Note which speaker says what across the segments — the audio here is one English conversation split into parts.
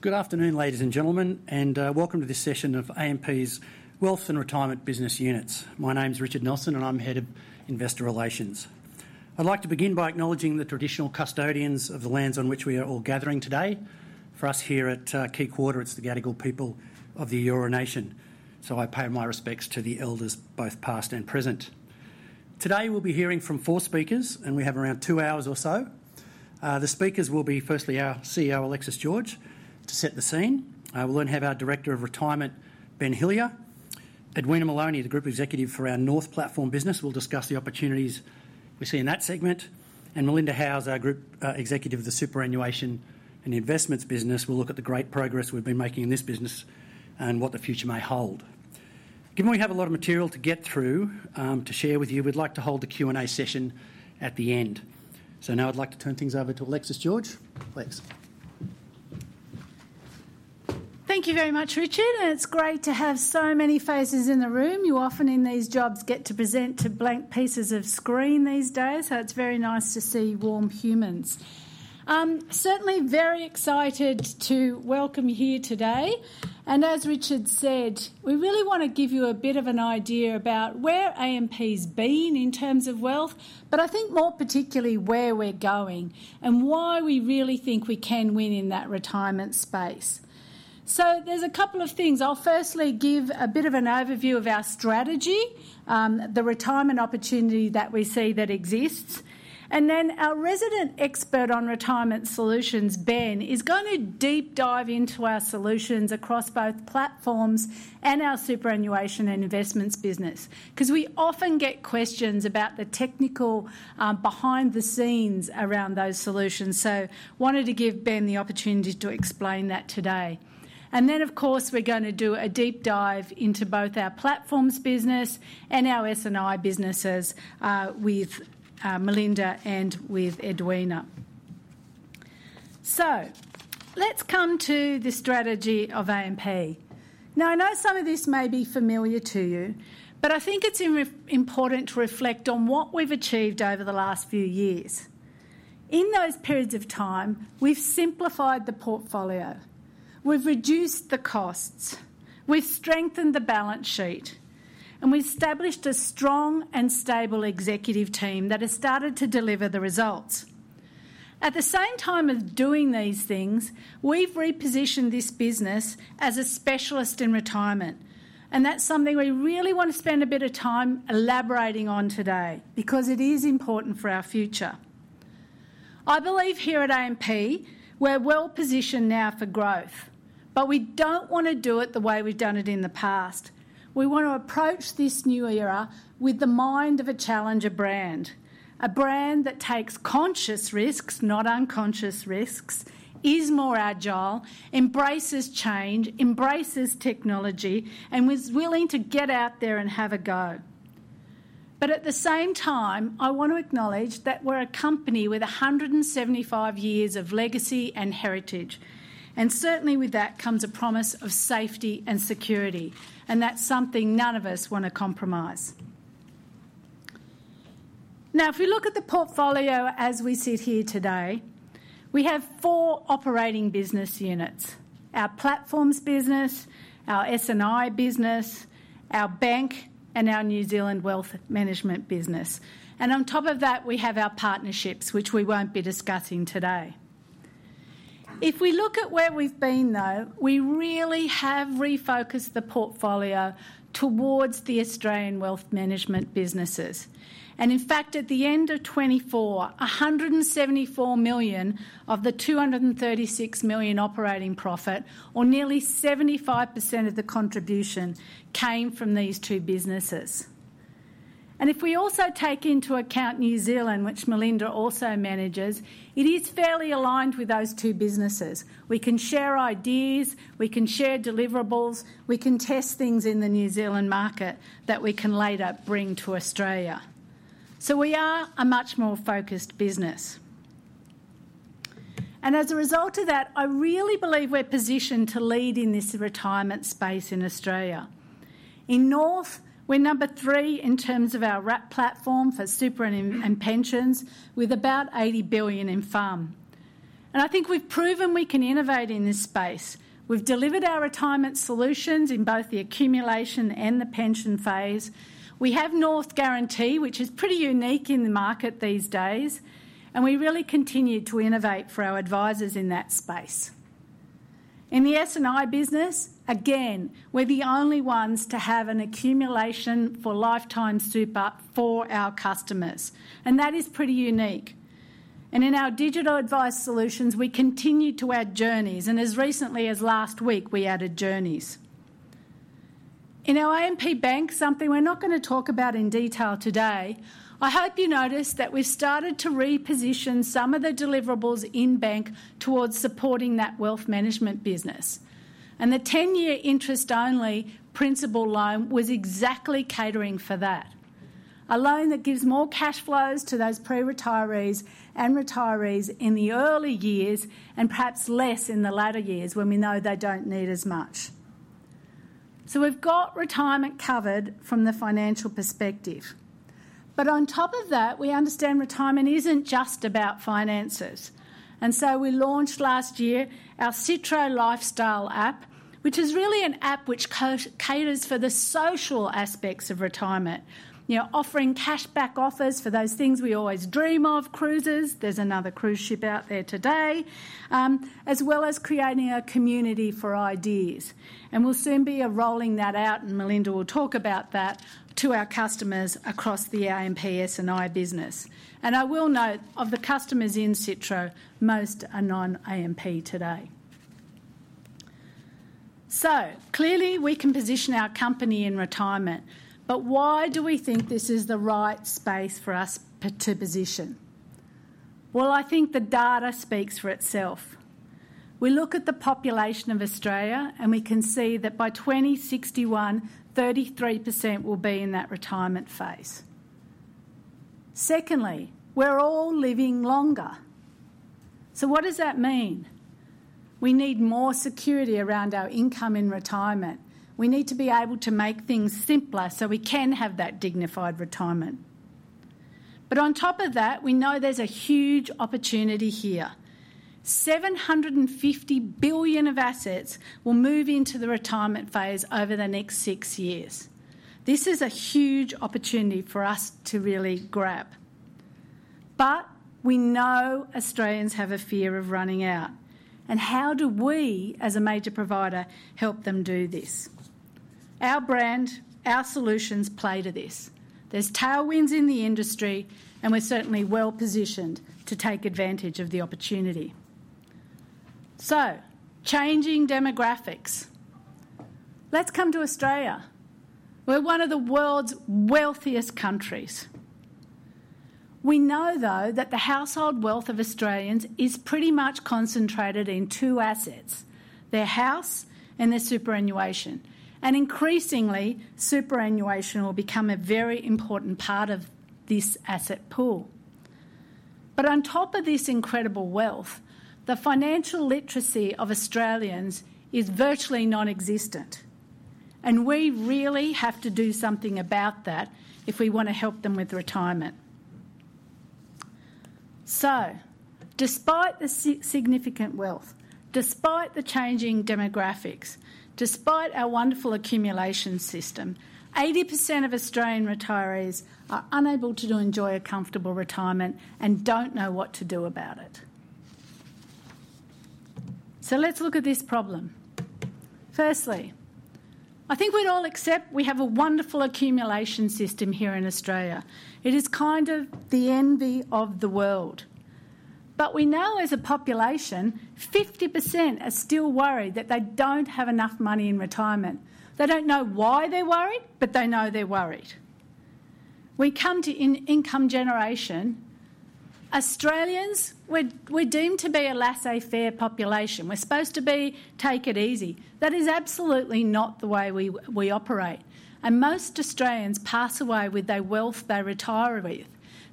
Speaker 1: Good afternoon, ladies and gentlemen, and welcome to this session of AMP's Wealth and Retirement business units. My name is Richard Nelson and I'm Head of Investor Relations. I'd like to begin by acknowledging the traditional custodians of the lands on which we are all gathering today. For us here at Key Quarter, it's the Gadigal people of the EORA Nation. I pay my respects to the elders, both past and present. Today we'll be hearing from four speakers and we have around two hours or so. The speakers will be, firstly, our CEO Alexis George. To set the scene, we'll then have our Director of Retirement, Ben Hillier. Edwina Maloney, the Group Executive for our North Platform business, will discuss the opportunities we see in that segment. Melinda Howes, our Group Executive of the Superannuation and Investments business, will look at the great progress we've been making in this business and what the future may hold. Given we have a lot of material to get through to share with you, we'd like to hold the Q&A session at the end. Now I'd like to turn things over to Alexis George.
Speaker 2: Thank you very much, Richard. It's great to have so many faces in the room. You often in these jobs get to present to blank pieces of screen these days, so it's very nice to see warm humans, certainly very excited to welcome you here today. As Richard said, we really want to give you a bit of an idea about where AMP's been in terms of wealth, but I think more particularly where we're going and why we really think we can win in that retirement space. There's a couple of things. I'll firstly give a bit of an overview of our strategy, the retirement opportunity that we see that exists, and then our resident expert on retirement solutions, Ben, is going to deep dive into our solutions across both platforms and our superannuation and investments business because we often get questions about the technical behind the scenes around those solutions. I wanted to give Ben the opportunity to explain that today. Of course, we're going to do a deep dive into both our platforms business and our S&I businesses with Melinda and with Edwina. Let's come to the strategy of AMP. I know some of this may be familiar to you, but I think it's important to reflect on what we've achieved over the last few years in those periods of time. We've simplified the portfolio, we've reduced the costs, we've strengthened the balance sheet, and we've established a strong and stable executive team that has started to deliver the results at the same time of doing these things. We've repositioned this business as a specialist in retirement and that's something we really want to spend a bit of time elaborating on today because it is important for our future. I believe here at AMP, we're well positioned now for growth, but we don't want to do it the way we've done it in the past. We want to approach this new era with the mind of a challenger brand, a brand that takes conscious risks, not unconscious risks, is more agile, embraces change, embraces technology, and is willing to get out there and have a go. At the same time, I want to acknowledge that we're a company with 175 years of legacy and heritage and certainly with that comes a promise of safety and security. That's something none of us want to compromise. If we look at the portfolio as we sit here today, we have four operating business units: our platforms business, our S&I business, our bank, and our New Zealand Wealth Management business. On top of that, we have our partnerships, which we won't be discussing today. If we look at where we've been, we really have refocused the portfolio towards the Australian wealth management businesses. In fact, at the end of 2024, $174 million of the $236 million operating profit, or nearly 75% of the contribution, came from these two businesses. If we also take into account New Zealand, which Melinda also manages, it is fairly aligned with those two businesses. We can share ideas, we can share deliverables, we can test things in the New Zealand market that we can later bring to Australia. We are a much more focused business, and as a result of that, I really believe we're positioned to lead in this retirement space in Australia. In North, we're number three in terms of our RAP platform for superannuation and pensions with about $80 billion in funds under administration. I think we've proven we can innovate in this space. We've delivered our retirement solutions in both the accumulation and the pension phase. We have North Guarantee, which is pretty unique in the market these days, and we really continue to innovate for our advisors in that space. In the S&I business, again, we're the only ones to have an accumulation for Lifetime Super for our customers, and that is pretty unique. In our digital advice solutions, we continue to add journeys, and as recently as last week, we added journeys in our AMP Bank, something we're not going to talk about in detail today. I hope you noticed that we started to reposition some of the deliverables in Bank towards supporting that wealth management business. The 10-year interest-only principal loan was exactly catering for that—a loan that gives more cash flows to those pre-retirees and retirees in the early years and perhaps less in the latter years when we know they don't need as much. We've got retirement covered from the financial perspective, but on top of that, we understand retirement isn't just about finances. We launched last year our Citro lifestyle app, which is really an app that caters for the social aspects of retirement, offering cash back offers for those things we always dream of—cruises, there's another cruise ship out there today—as well as creating a community for ideas. We'll soon be rolling that out, and Melinda will talk about that, to our customers across the AMP S&I business. I will note, of the customers in Citro, most are non-AMP today. Clearly we can position our company in retirement. Why do we think this is the right space for us to position? I think the data speaks for itself. We look at the population of Australia and we consider that by 2061, 33% will be in that retirement phase. We're all living longer, so what does that mean? We need more security around our income in retirement. We need to be able to make things simpler so we can have that dignified retirement. On top of that, we know there's a huge opportunity here. $750 billion of assets will move into the retirement phase over the next six years. This is a huge opportunity for us to really grab. We know Australians have a fear of running out and how do we as a major provider help them do this? Our brand, our solutions play to this. There are tailwinds in the industry and we're certainly well positioned to take advantage of the opportunity. Changing demographics. Let's come to Australia. We're one of the world's wealthiest countries. We know though that the household wealth of Australians is pretty much concentrated in two: their house and their superannuation. Increasingly, superannuation will become a very important part of this asset pool. On top of this incredible wealth, the financial literacy of Australians is virtually non-existent and we really have to do something about that if we want to help them with retirement. Despite the significant wealth, despite the changing demographics, despite our wonderful accumulation system, 80% of Australian retirees are unable to enjoy a comfortable retirement and don't know what to do about it. Let's look at this problem. Firstly, I think we'd all accept we have a wonderful accumulation system here in Australia. It is kind of the envy of the world. We know as a population 50% are still worried that they don't have enough money in retirement. They don't know why they're worried, but they know they're worried. We come to income generation. Australians, we're deemed to be a laissez-faire population. We're supposed to be take it easy, that is absolutely not the way we operate. Most Australians pass away with their wealth. They retire with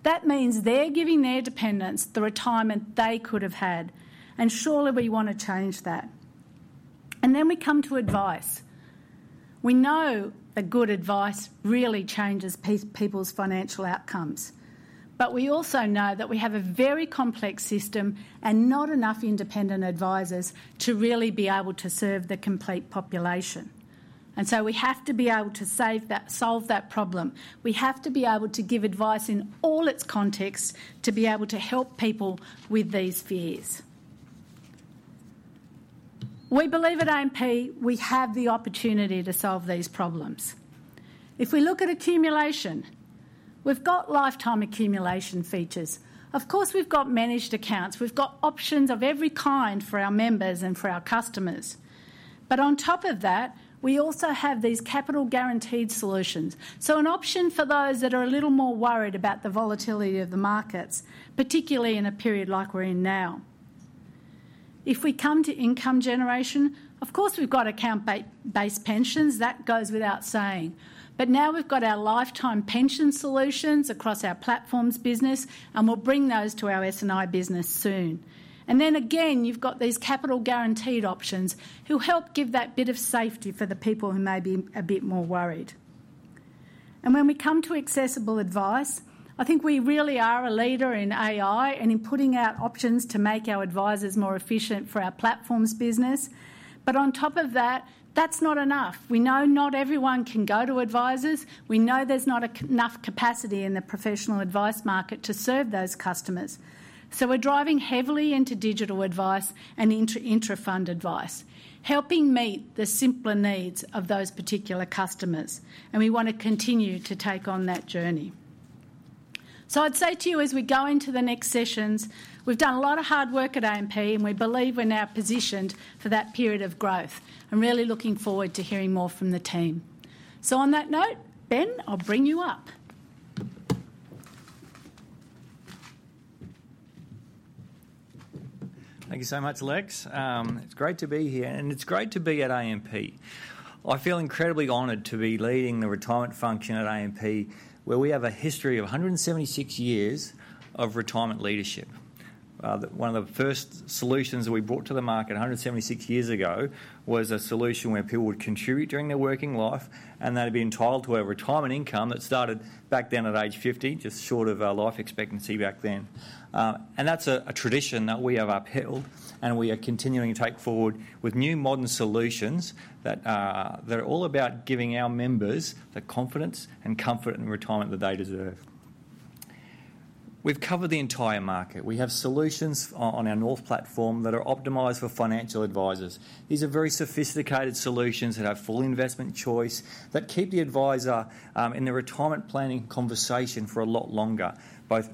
Speaker 2: that means they're giving their dependents the retirement they could have had. Surely we want to change that. We come to advice. We know that good advice really changes people's financial outcomes. We also know that we have a very complex system and not enough independent advisers to really be able to serve the complete population. We have to be able to solve that problem. We have to be able to give advice in all its contexts to be able to help people with these fears. We believe at AMP we have the opportunity to solve these problems. If we look at accumulation, we've got lifetime accumulation features, of course, we've got managed accounts, we've got options of every kind for our members and for our customers. On top of that, we also have these capital guaranteed solutions, an option for those that are a little more worried about the volatility of the markets, particularly in a period like we're in now. If we come to income generation, of course we've got account-based pensions, that goes without saying. Now we've got our lifetime pension solutions across our platforms business and we'll bring those to our S&I business soon. Then again, you've got these capital guaranteed options who help give that bit of safety for the people who may be a bit more worried. When we come to accessible advice, I think we really are a leader in AI and in putting out options to make our advisers more efficient for our platforms business. On top of that, that's not enough. We know not everyone can go to advisers. We know there's not enough capacity in the professional advice market to serve those customers. We're driving heavily into digital advice and intra-fund advice, helping meet the simpler needs of those particular customers and we want to continue to take on that journey. I'd say to you as we go into the next sessions, we've done a lot of hard work at AMP and we believe we're now positioned for that period of growth. I'm really looking forward to hearing more from the team. On that note, Ben, I'll bring you up.
Speaker 3: Thank you so much, Lex. It's great to be here and it's great to be at AMP. I feel incredibly honored to be leading the retirement function at AMP, where we have a history of 176 years of retirement leadership. One of the first solutions that we brought to the market 176 years ago was a solution where people would contribute during their working life and they'd be entitled to a retirement income that started back then at age 50, just short of life expectancy back then. That's a tradition that we have upheld and we are continuing to take forward with new modern solutions that are all about giving our members the confidence and comfort and retirement that they deserve. We've covered the entire market. We have solutions on our North Platform that are optimized for financial advisors. These are very sophisticated solutions that have full investment choice that keep the advisor in the retirement planning conversation for a lot longer, both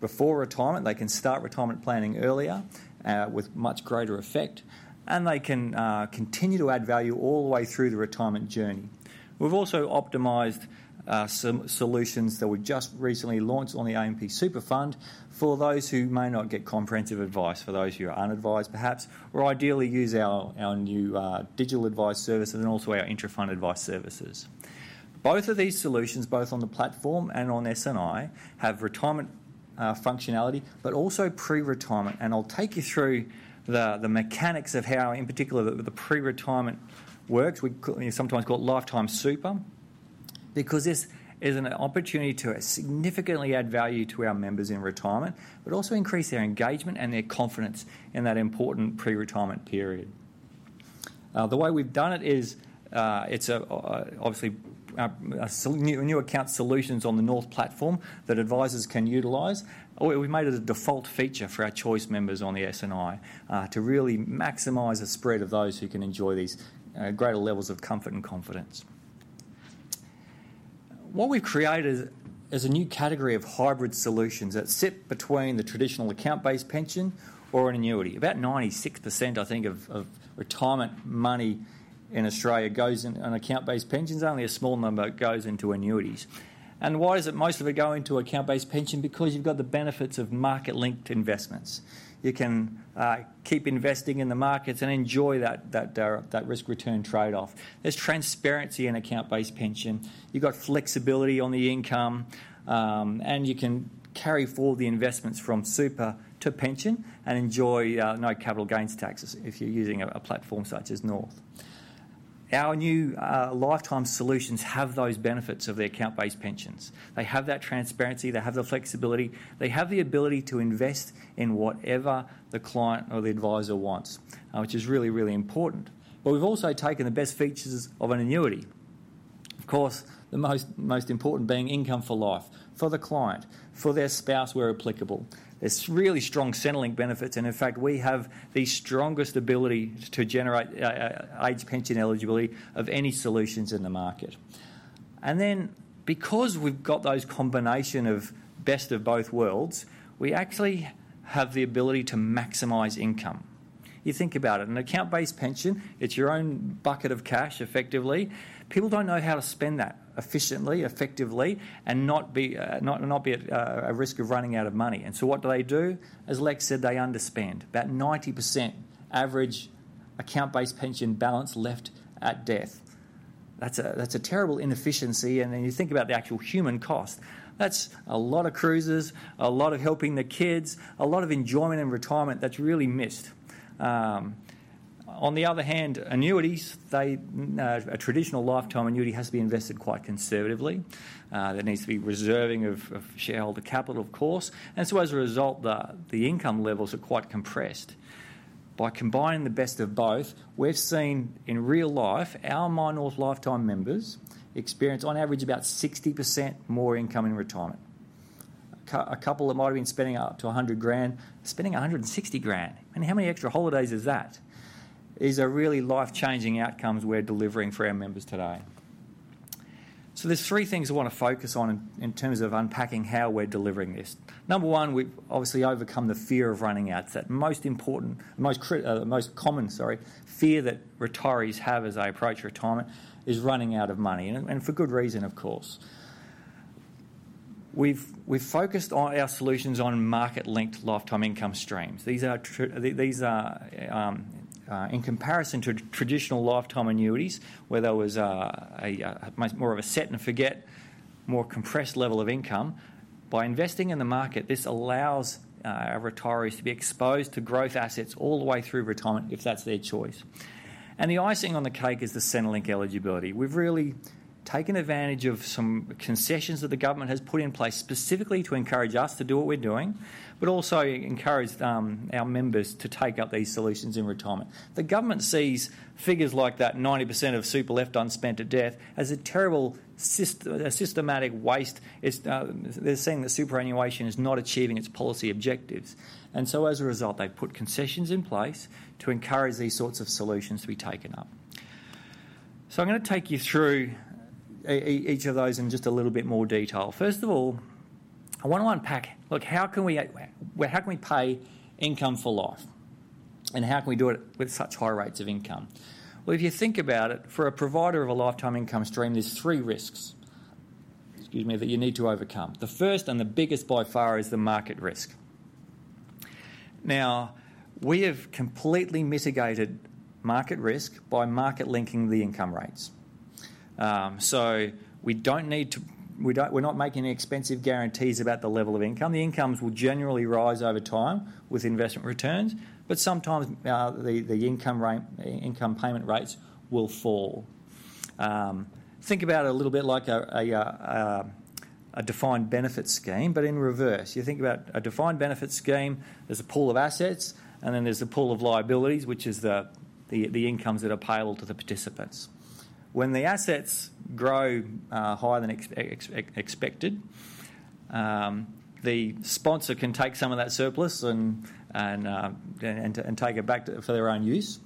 Speaker 3: before retirement. They can start retirement planning earlier with much greater effect and they can continue to add value all the way through the retirement journey. We've also optimized some solutions that we just recently launched on the AMP Super fund for those who may not get comprehensive advice, for those who are unadvised, perhaps or ideally use our new digital advice services and also our intra-fund advice services. Both of these solutions, both on the platform and on S&I, have retirement functionality but also pre-retirement. I'll take you through the mechanics of how in particular the pre-retirement works. We sometimes call it Lifetime Super because this is an opportunity to significantly add value to our members in retirement but also increase their engagement and their confidence in that important pre-retirement period. The way we've done it is it's obviously new account solutions on the North Platform that advisors can utilize. We've made it a default feature for our choice members on the S&I to really maximize the spread of those who can enjoy these greater levels of comfort and confidence. What we've created is a new category of hybrid solutions that sit between the traditional account-based pension or an annuity. About 96% of retirement money in Australia goes on account-based pensions. Only a small number goes into annuities. Why does most of it go into account-based pension? Because you've got the benefits of market-linked investments. You can keep investing in the markets and enjoy that risk return trade off. There's transparency in account-based pensions, you've got flexibility on the income and you can carry forward the investments from super to pension and enjoy no capital gains taxes if you're using a platform such as North. Our new Lifetime Solutions have those benefits of the account-based pensions. They have that transparency, they have the flexibility, they have the ability to invest in whatever the client or the adviser wants, which is really, really important. We've also taken the best features of an annuity, of course, the most important being income for life, for the client, for their spouse, where applicable. There's really strong Centrelink benefits and in fact we have the strongest ability to generate age pension eligibility of any solutions in the market. Because we've got those combination of best of both worlds, we actually have the ability to maximize income. You think about it, an account-based pension, it's your own bucket of cash effectively. People don't know how to spend that efficiently, effectively and not be at risk of running out of money. What do they do? As Lex said, they underspend, about 90% average account-based pension balance left at death. That's a terrible inefficiency. You think about the actual human cost. That's a lot of cruises, a lot of helping the kids, a lot of enjoyment in retirement. That's really missed. On the other hand, annuities, a traditional lifetime annuity has to be invested quite conservatively. There needs to be reserving of shareholder capital, of course, and as a result the income levels are quite compressed. By combining the best of both, we've seen in real life our MyNorth Lifetime members experience on average about 60% more income in retirement. A couple that might have been spending up to $100,000 spending $160,000, how many extra holidays is that? These are really life changing outcomes we're delivering for our members today. There are three things I want to focus on in terms of unpacking how we're delivering this. Number one, we obviously overcome the fear of running out. It's that most important, most common sense fear that retirees have as they approach retirement, running out of money. For good reason, we've focused our solutions on market-linked lifetime income streams. These are in comparison to traditional lifetime annuities where there was more of a set and forget, more compressed level of income. By investing in the market, this allows our retirees to be exposed to growth assets all the way through retirement, if that's their choice. The icing on the cake is the Centrelink eligibility. We've really taken advantage of some concessions that the government has put in place specifically to encourage us to do what we're doing, but also encouraged our members to take up these solutions in retirement. The government sees figures like that, 90% of super left unspent at death, as a terrible systematic waste. They're saying that superannuation is not achieving its policy objectives. As a result, they put concessions in place to encourage these sorts of solutions to be taken up. I'm going to take you through each of those in just a little bit more detail. First of all, I want to unpack. Look, how can we pay income for life and how can we do it with such high rates of income? If you think about it, for a provider of a lifetime income stream, there's three risks that you need to overcome. The first, and the biggest by far, is the market risk. We have completely mitigated market risk by market linking the income rates. We don't need to. We're not making expensive guarantees about the level of income. The incomes will generally rise over time with investment returns, but sometimes the income payment rates will fall. Think about it a little bit like a defined benefit scheme, but in reverse. You think about a defined benefit scheme. There's a pool of assets and then there's a pool of liabilities, which is the incomes that are payable to the participants. When the assets grow higher than expected, the sponsor can take some of that surplus and take it back for their own use.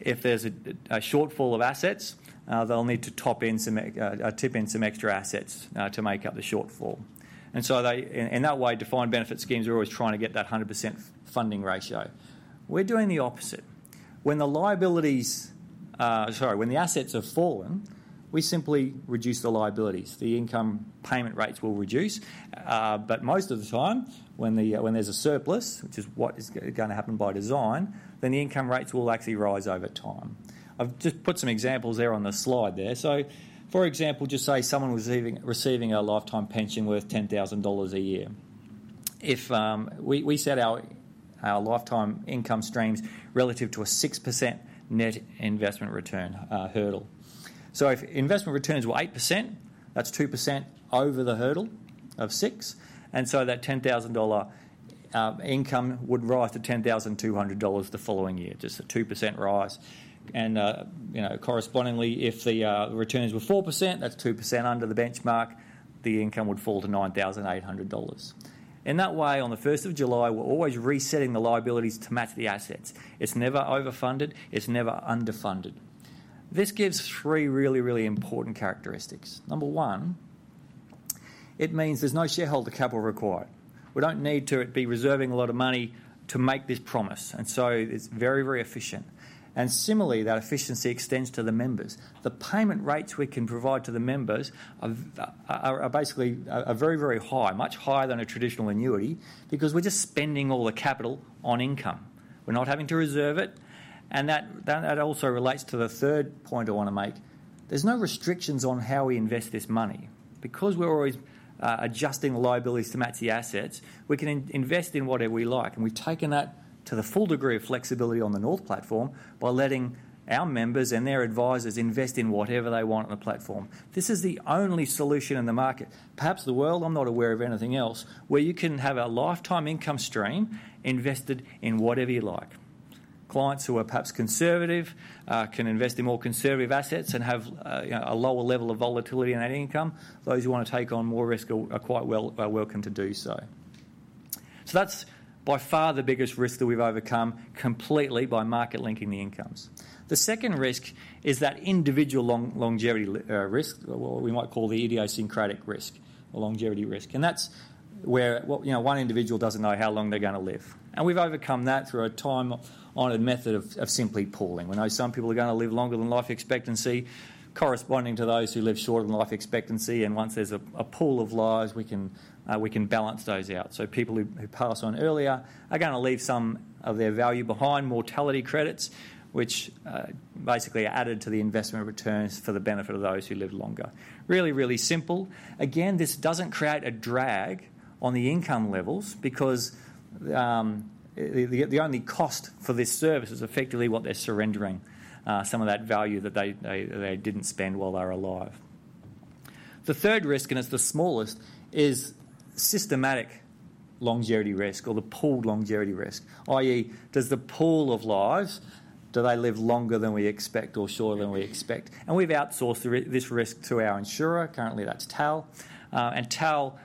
Speaker 3: If there's a shortfall of assets, they'll need to tip in some extra assets to make up the shortfall. In that way, defined benefit schemes are always trying to get that 100% funding ratio. We're doing the opposite. When the liabilities, sorry, when the assets have fallen, we simply reduce the liabilities. The income payment rates will reduce. Most of the time when there's a surplus, which is what is going to happen by design, then the income rates will actually rise over time. I've just put some examples there on the slide there. For example, just say someone was receiving a lifetime pension worth $10,000 a year. We set our lifetime income streams relative to a 6% net investment return hurdle. If investment returns were 8%, that's 2% over the hurdle of 6%. That $10,000 income would rise to $10,200 the following year, just a 2% rise. Correspondingly, if the returns were 4%, that's 2% under the benchmark, the income would fall to $9,800. In that way, on the first of July, we're always resetting the liabilities to match the assets. It's never overfunded, it's never underfunded. This gives three really, really important characteristics. Number one, it means there's no shareholder capital required. We don't need to be reserving a lot of money to make this promise. It's very, very efficient. Similarly, that efficiency extends to the members. The payment rates we can provide to the members are basically very, very high, much higher than a traditional annuity because we're just spending all the capital on income, we're not having to reserve it. That also relates to the third point I want to make. There's no restrictions on how we invest this money because we're always adjusting liabilities to match the assets. We can invest in whatever we like, and we've taken that to the full degree of flexibility on the North Platform by letting our members and their advisors invest in whatever they want on the platform. This is the only solution in the market, perhaps the world. I'm not aware of anything else where you can have a lifetime income stream invested in whatever you like. Clients who are perhaps conservative can invest in more conservative assets and have a lower level of volatility in that income. Those who want to take on more risk are quite welcome to do so. That's by far the biggest risk that we've overcome completely by market linking the incomes. The second risk is that individual longevity risk, what we might call the idiosyncratic risk, the longevity risk, and that's where one individual doesn't know how long they're going to live, and we've overcome that through a time-honored method of simply pooling. We know some people are going to live longer than life expectancy, corresponding to those who live shorter than life expectancy. Once there's a pool of lives, we can balance those out. People who pass on earlier are going to leave some of their value behind, mortality credits, which basically are added to the investment returns for the benefit of those who live longer. Really, really simple. Again, this doesn't create a drag on the income levels because the only cost for this service is effectively what they're surrendering, some of that value that they didn't spend while they were alive. The third risk, and it's the smallest, is systematic longevity risk or the pool longevity risk. That is, does the pool of lives, do they live longer than we expect or shorter than we expect? We've outsourced this risk to our insurer. Currently, that's TAL, and TAL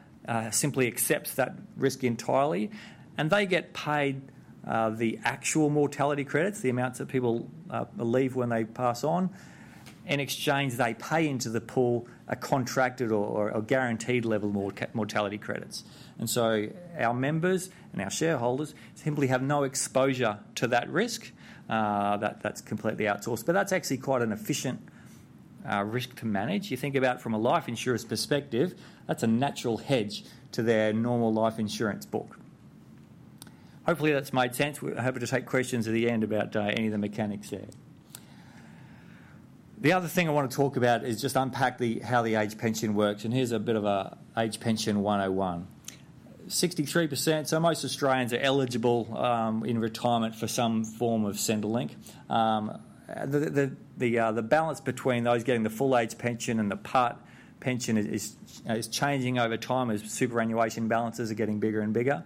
Speaker 3: simply accepts that risk entirely, and they get paid the actual mortality credits, the amounts that people leave when they pass on. In exchange, they pay into the pool a contracted or guaranteed level mortality credits. Our members and our shareholders simply have no exposure to that risk. That's completely outsourced, but that's actually quite an efficient risk to manage. If you think about it from a life insurer's perspective, that's a natural hedge to their normal life insurance book. Hopefully, that's made sense. We're happy to take questions at the end about any of the mechanics there. The other thing I want to talk about is just unpack how the age pension works. Here's a bit of an Age Pension 101, 63%. Most Australians are eligible in retirement for some form of Centrelink. The balance between those getting the full age pension and the part pension is changing over time as superannuation balances are getting bigger and bigger.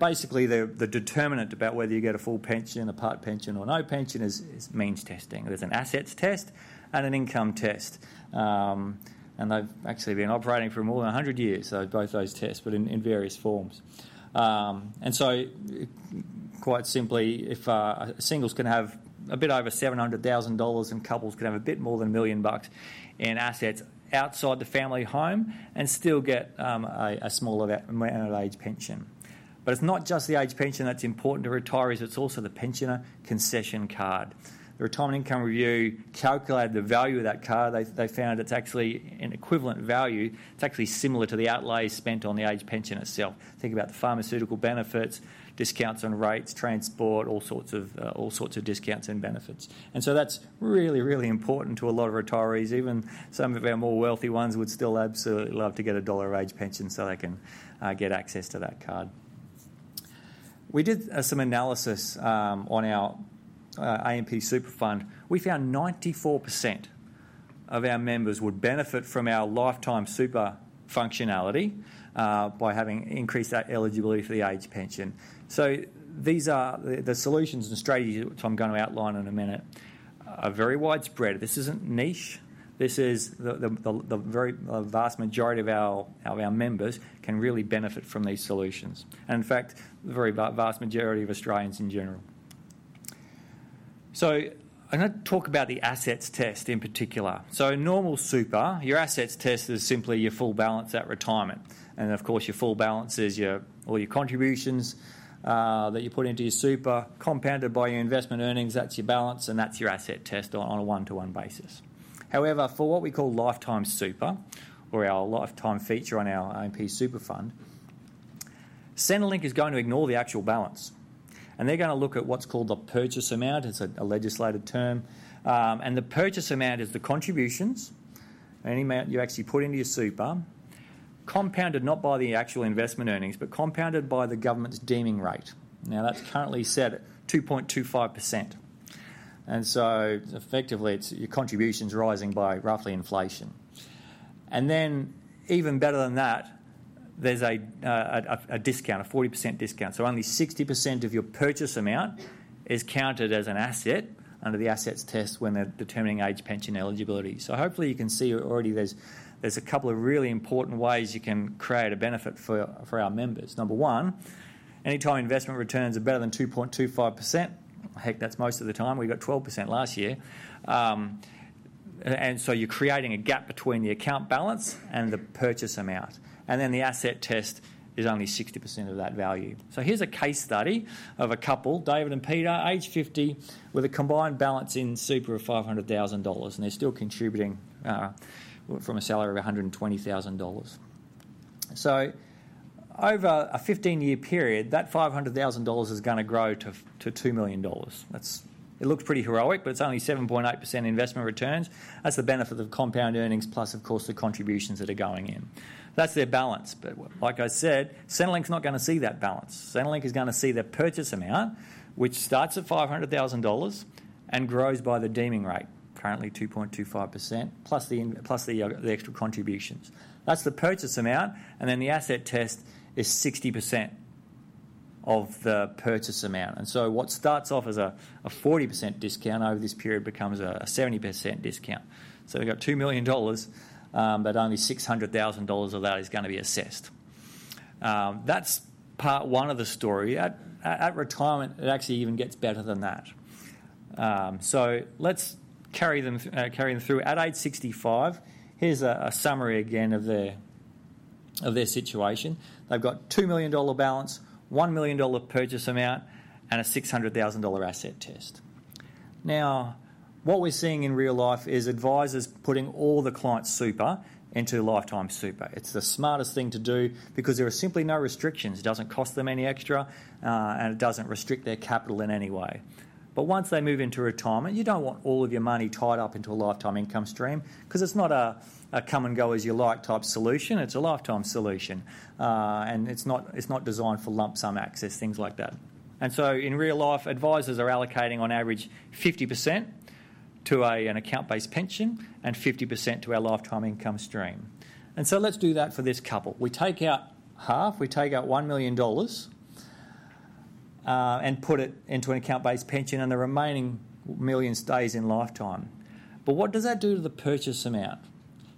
Speaker 3: Basically, the determinant about whether you get a full pension, a part pension, or no pension is means testing. There's an assets test and an income test, and they've actually been operating for more than 100 years, both those tests, but in various forms. Quite simply, singles can have a bit over $700,000 and couples can have a bit more than $1 million in assets outside the family home and still get a smaller amount of age pension. It's not just the age pension that's important to retirees, it's also the pensioner concession card. The Retirement Income Review calculated the value of that card. They found it's actually an equivalent value. It's actually similar to the outlay spent on the age pension itself. Think about the pharmaceutical benefits, discounts on rates, transport, all sorts of discounts and benefits. That's really, really important to a lot of retirees. Even some of our more wealthy ones would still absolutely love to get a dollar of age pension so they can get access to that card. We did some analysis on our AMP super fund. We found 94% of our members would benefit from our Lifetime Super functionality by having increased that eligibility for the age pension. These are the solutions and strategies which I'm going to outline in a minute, are very widespread. This isn't niche, this is. The vast majority of our members can really benefit from these solutions and in fact, the very vast majority of Australians in general. I'm going to talk about the assets test in particular. Normal super, your assets test is simply your full balance at retirement and of course your full balance is all your contributions that you put into your super compounded by your investment earnings. That's your balance and that's your asset test on a one to one basis. However, for what we call Lifetime Super or our lifetime feature on our AMP super fund, Centrelink is going to ignore the actual balance and they're going to look at what's called the purchase amount, it's a legislated term and the purchase amount is the contributions. Any amount you actually put into your super compounded not by the actual investment earnings but compounded by the government's deeming rate. Now that's currently set at 2.25% and effectively it's your contributions rising by roughly inflation. Even better than that, there's a discount, a 40% discount. Only 60% of your purchase amount is counted as an asset under the assets test when they're determining age pension eligibility. Hopefully you can see already there's a couple of really important ways you can create a benefit for our members. Number one, anytime investment returns are better than 2.25%, heck that's most of the time, we got 12% last year. You're creating a gap between the account balance and the purchase amount and then the asset test is only 60% of that value. Here's a case study of a couple, David and Peter, age 50, with a combined balance in super of $500,000. They're still contributing from a salary of $120,000. Over a 15 year period that $500,000 is going to grow to $2 million. It looks pretty heroic, but it's only 7.8% investment returns. That's the benefit of compound earnings, plus of course the contributions that are going in, that's their balance. Like I said, Centrelink is not going to see that balance. Centrelink is going to see their purchase amount, which starts at $500,000, grows by the deeming rate, currently 2.25%, plus the extra contributions. That's the purchase amount, and then the asset test is 60% of the purchase amount. What starts off as a 40% discount over this period becomes a 70% discount. We've got $2 million, but only $600,000 of that is going to be assessed. That's part one of the story at retirement. It actually even gets better than that. Let's carry them through at age 65. Here's a summary again of their situation. They've got $2 million balance, $1 million purchase amount, and a $600,000 asset test. Now what we're seeing in real life is advisors putting all the client super into Lifetime Super. It's the smartest thing to do because there are simply no restrictions. It doesn't cost them any extra, and it doesn't restrict their capital in any way. Once they move into retirement, you don't want all of your money tied up into a lifetime income stream because it's not a come and go as you like type solution. It's a lifetime solution, and it's not designed for lump sum access, things like that. In real life, advisors are allocating on average 50% to an account-based pension and 50% to our lifetime income stream. Let's do that for this couple. We take out half, we take out $1 million and put it into an account-based pension, and the remaining million stays in lifetime. What does that do to the purchase amount?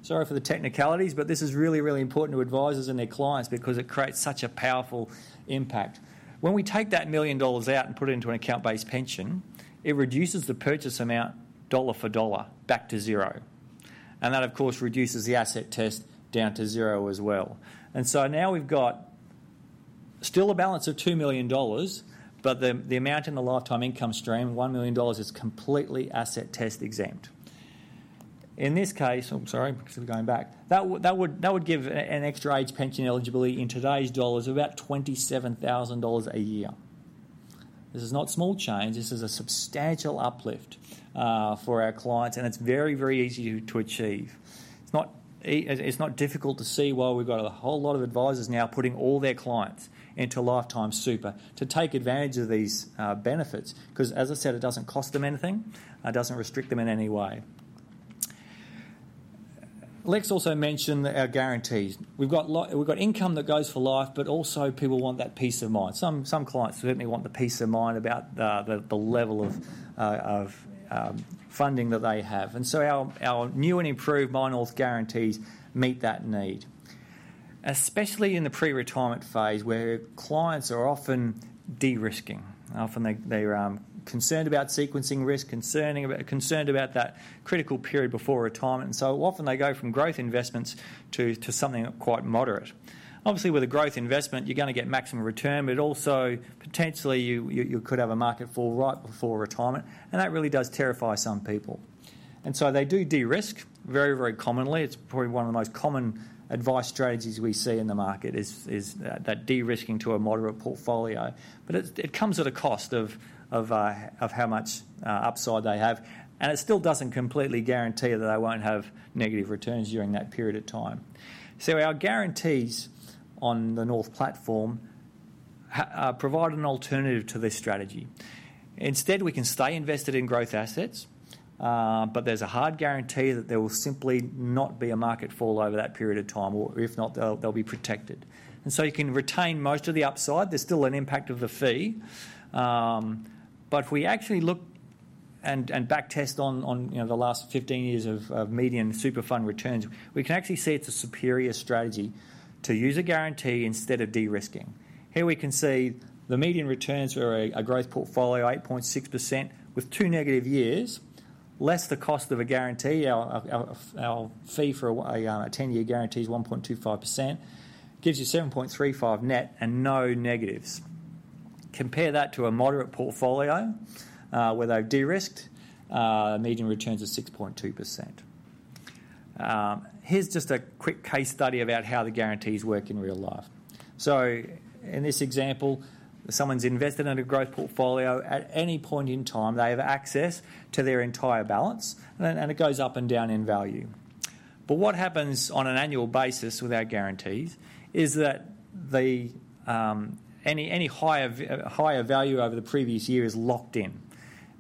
Speaker 3: Sorry for the technicalities, but this is really, really important to advisers and their clients because it creates such a powerful impact. When we take that $1 million out and put it into an account-based pension, it reduces the purchase amount dollar for dollar back to zero. That of course reduces the asset test down to zero as well. Now we've got still a balance of $2 million, but the amount in the lifetime income stream, $1 million, is completely asset test exempt in this case. I'm sorry, because we're going back, that would give an extra age pension eligibility in today's dollars, about $27,000 a year. This is not small change. This is a substantial uplift for our clients, and it's very, very easy to achieve. It's not difficult to see why we've got a whole lot of advisers now putting all their clients into Lifetime Super to take advantage of these benefits. As I said, it doesn't cost them anything, it doesn't restrict them in any way. Lex also mentioned our guarantees. We got income that goes for life, but also people want that peace of mind. Some clients certainly want the peace of mind about the level of funding that they have. Our new and improved MyNorth Guarantees meet that need, especially in the pre-retirement phase where clients are often de-risking. Often they are concerned about sequencing risk, concerned about that critical period before retirement. Often they go from growth investments to something quite moderate. Obviously with a growth investment you're going to get maximum return, but also potentially you could have a market fall right before retirement. That really does terrify some people. They do de-risk very, very commonly. It's probably one of the most common advice strategies we see in the market, that de-risking to a moderate portfolio, but it comes at a cost of how much upside they have and it still doesn't completely guarantee that they won't have negative returns during that period of time. Our guarantees on the North Platform provide an alternative to this strategy instead. We can stay invested in growth assets, but there's a hard guarantee that there will simply not be a market fall over that period of time or if not, they'll be protected. You can retain most of the upside. There's still an impact of the fee, but if we actually look and back test on the last 15 years of median super fund returns, we can actually see it's a superior strategy to use a guarantee instead of de-risking. Here we can see the median returns for a growth portfolio, 8.6% with two negative years, less the cost of a guarantee. Our fee for a 10-year guarantee is 1.25%, gives you 7.35% net and no negatives. Compare that to a moderate portfolio where they've de-risked, median returns of 6.2%. Here's just a quick case study about how the guarantees work in real life. In this example, someone's invested in a growth portfolio. At any point in time, they have access to their entire balance and it goes up and down in value. What happens on an annual basis with our guarantees is that any higher value over the previous year is locked in.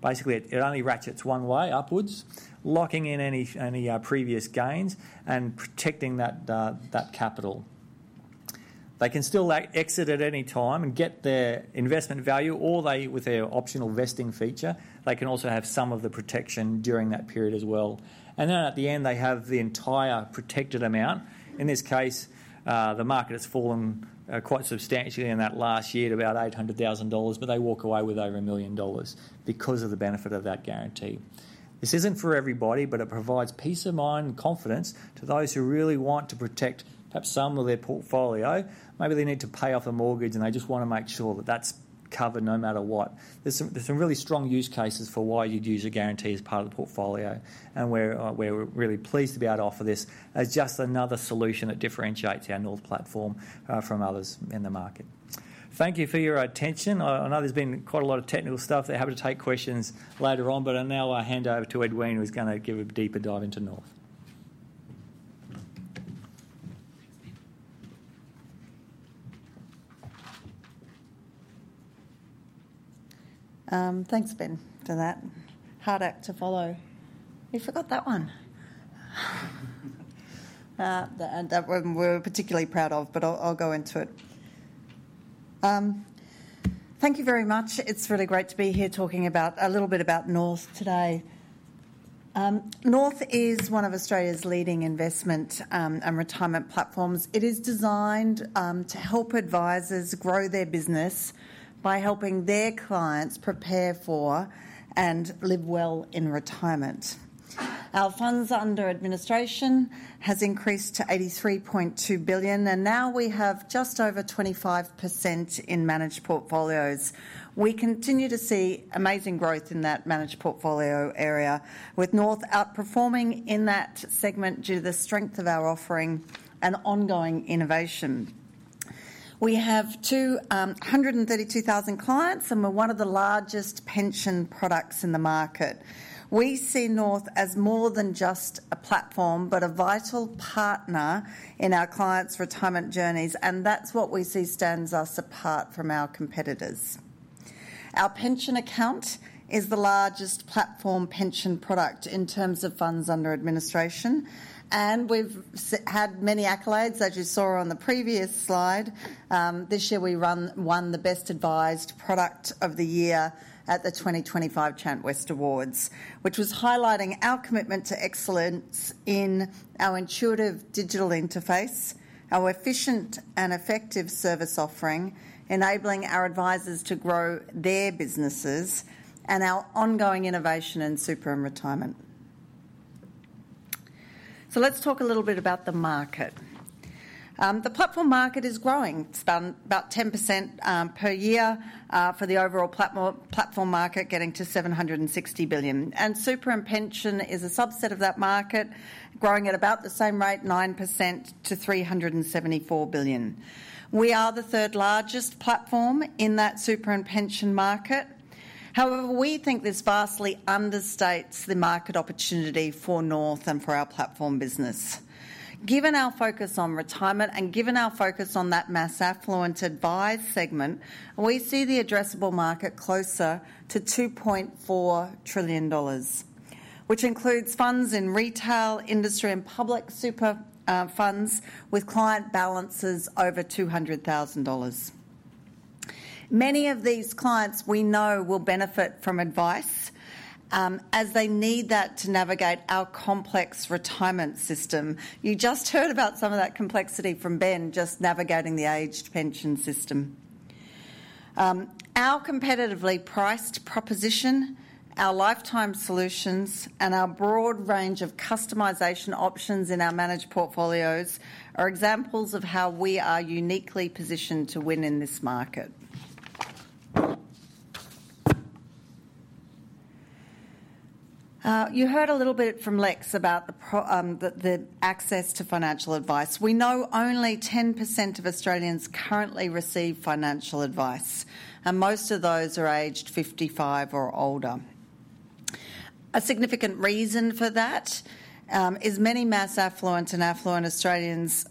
Speaker 3: Basically, it only ratchets one way upwards, locking in any previous gains and protecting that capital. They can still exit at any time and get their investment value, or with their optional vesting feature, they can also have some of the protection during that period as well. At the end they have the entire protected amount. In this case, the market has fallen quite substantially in that last year to about $800,000, but they walk away with over a million dollars because of the benefit of that guarantee. This isn't for everybody, but it provides peace of mind and confidence to those who really want to protect perhaps some of their portfolio. Maybe they need to pay off a mortgage and they just want to make sure that that's covered no matter what. There are some really strong use cases for why you'd use a guarantee as part of the portfolio, and we're really pleased to be able to offer this as just another solution that differentiates our North Platform from others in the market. Thank you for your attention. I know there's been quite a lot of technical stuff that happened. Happy to take questions later on. Now I hand over to Edwina Maloney, who's going to give a deeper dive into North.
Speaker 4: Thanks Ben, for that hard act to follow. We forgot that one we were particularly proud of, but I'll go into it. Thank you very much. It's really great to be here talking a little bit about North today. North is one of Australia's leading investment and retirement platforms. It is designed to help advisers grow their business by helping their clients prepare for and live well in retirement. Our funds under administration has increased to $83.2 billion and now we have just over 25% in managed portfolios. We continue to see amazing growth in that managed portfolio area with North outperforming in that segment due to the strength of our offering and ongoing innovation. We have 132,000 clients and we're one of the largest pension products in the market. We see North as more than just a platform, but a vital partner in our clients' retirement journeys. That's what we see stands us apart from our competitors. Our pension account is the largest platform pension product in terms of funds under administration and we've had many accolades as you saw on the previous slide. This year we won the Best Advised Product of the Year at the 2025 ChantWest Awards, which was highlighting our commitment to excellence in our intuitive digital interface, our efficient and effective service offering enabling our advisers to grow their businesses, and our ongoing innovation in super and retirement. Let's talk a little bit about the market. The platform market is growing. It's about 10% per year for the overall platform market, getting to $770 billion, and super and pension is a subset of that market growing at about the same rate, 9% to $374 billion. We are the third largest platform in that super and pension market. However, we think this vastly understates the market opportunity for North and for our platform business. Given our focus on retirement and given our focus on that mass affluent advice segment, we see the addressable market closer to $2.4 trillion, which includes funds in retail, industry, and public super funds with client balances over $200,000. Many of these clients we know will benefit from advice as they need that to navigate our complex retirement system. You just heard about some of that complexity from Ben. Just navigating the age pension system, our competitively priced proposition, our lifetime solutions, and our broad range of customization options in our managed portfolios are examples of how we are uniquely positioned to win in this market. You heard a little bit from Alexis about the access to financial advice. We know only 10% of Australians currently receive financial advice and most of those are aged 55 or older. A significant reason for that is many mass affluent and affluent Australians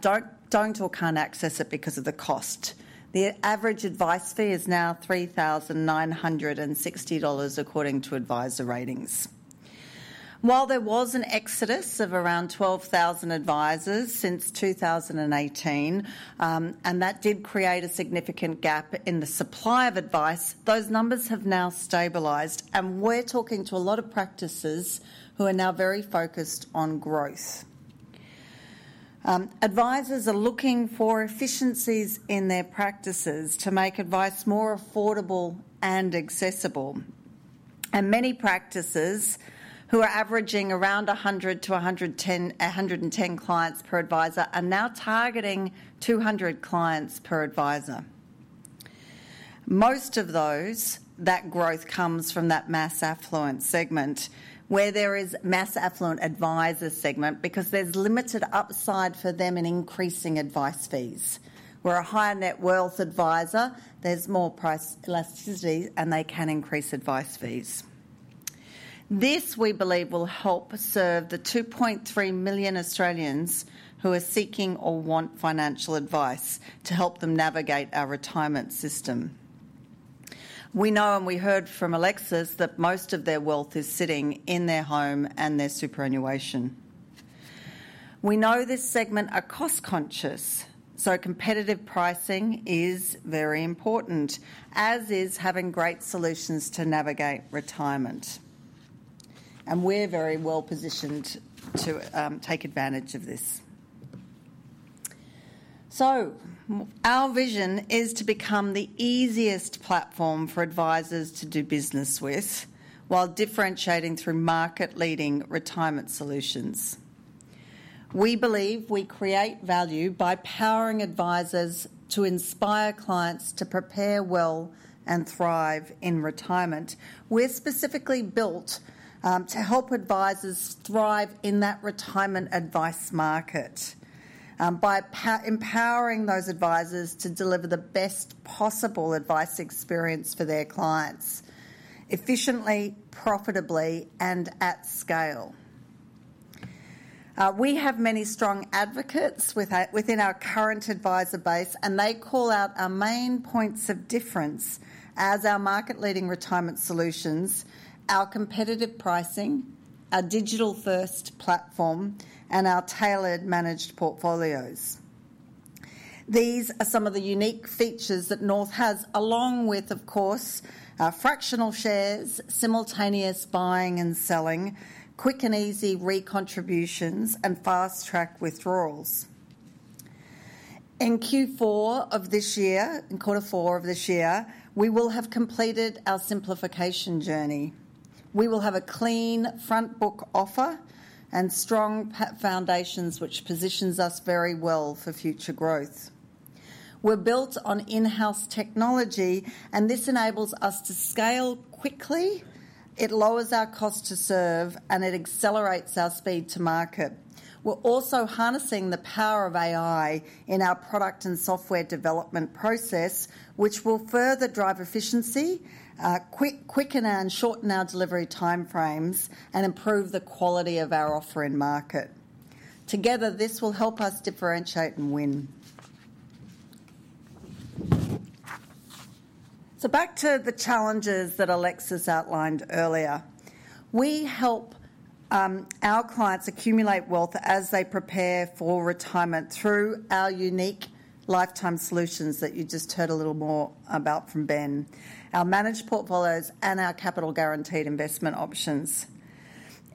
Speaker 4: don't or can't access it because of the cost. The average advice fee is now $3,960 according to Adviser Ratings. While there was an exodus of around 12,000 advisers since 2018 and that did create a significant gap in the supply of advice, those numbers have now stabilized and we're talking to a lot of practices who are now very focused on growth. Advisers are looking for efficiencies in their practices to make advice more affordable and accessible. Many practices who are averaging around 100 to 110 clients per adviser are now targeting 200 clients per adviser. Most of that growth comes from that mass affluent segment where there is mass affluent adviser segment because there's limited upside for them in increasing advice fees. Where a higher net wealth adviser, there's more price elasticity and they can increase advice fees. This we believe will help serve the 2.3 million Australians who are seeking or want financial advice to help them navigate our retirement system. We know and we heard from Alexis that most of their wealth is sitting in their home and their superannuation. We know this segment are cost conscious. Competitive pricing is very important as is having great solutions to navigate retirement and we're very well positioned to take advantage of this. Our vision is to become the easiest platform for advisers to do business with while differentiating through market leading retirement solutions. We believe we create value by powering advisers to inspire clients to prepare well and thrive in retirement. We're specifically built to help advisers thrive in that retirement advice market by empowering those advisers to deliver the best possible advice experience for their clients efficiently, profitably and at scale. We have many strong advocates within our current adviser base and they call out our main points of difference as our market leading retirement solutions, our competitive pricing, our digital first platform and our tailored managed portfolios. These are some of the unique features that North has along with, of course, fractional shares, simultaneous buying and selling, quick and easy recontributions and fast track withdrawals. In Q4 of this year, in quarter four of this year, we will have completed our simplification journey. We will have a clean front book offer and strong foundations, which positions us very well for future growth. We're built on in-house technology, and this enables us to scale quickly. It lowers our cost to serve, and it accelerates our speed to market. We're also harnessing the power of AI in our product and software development process, which will further drive efficiency, quicken and shorten our delivery time frames, and improve the quality of our offer in market. Together, this will help us differentiate and win. Back to the challenges that Alexis George outlined earlier, we help our clients accumulate wealth as they prepare for retirement through our unique lifetime solutions that you just heard a little more about from Ben Hillier. Our managed portfolios and our capital guaranteed investment options,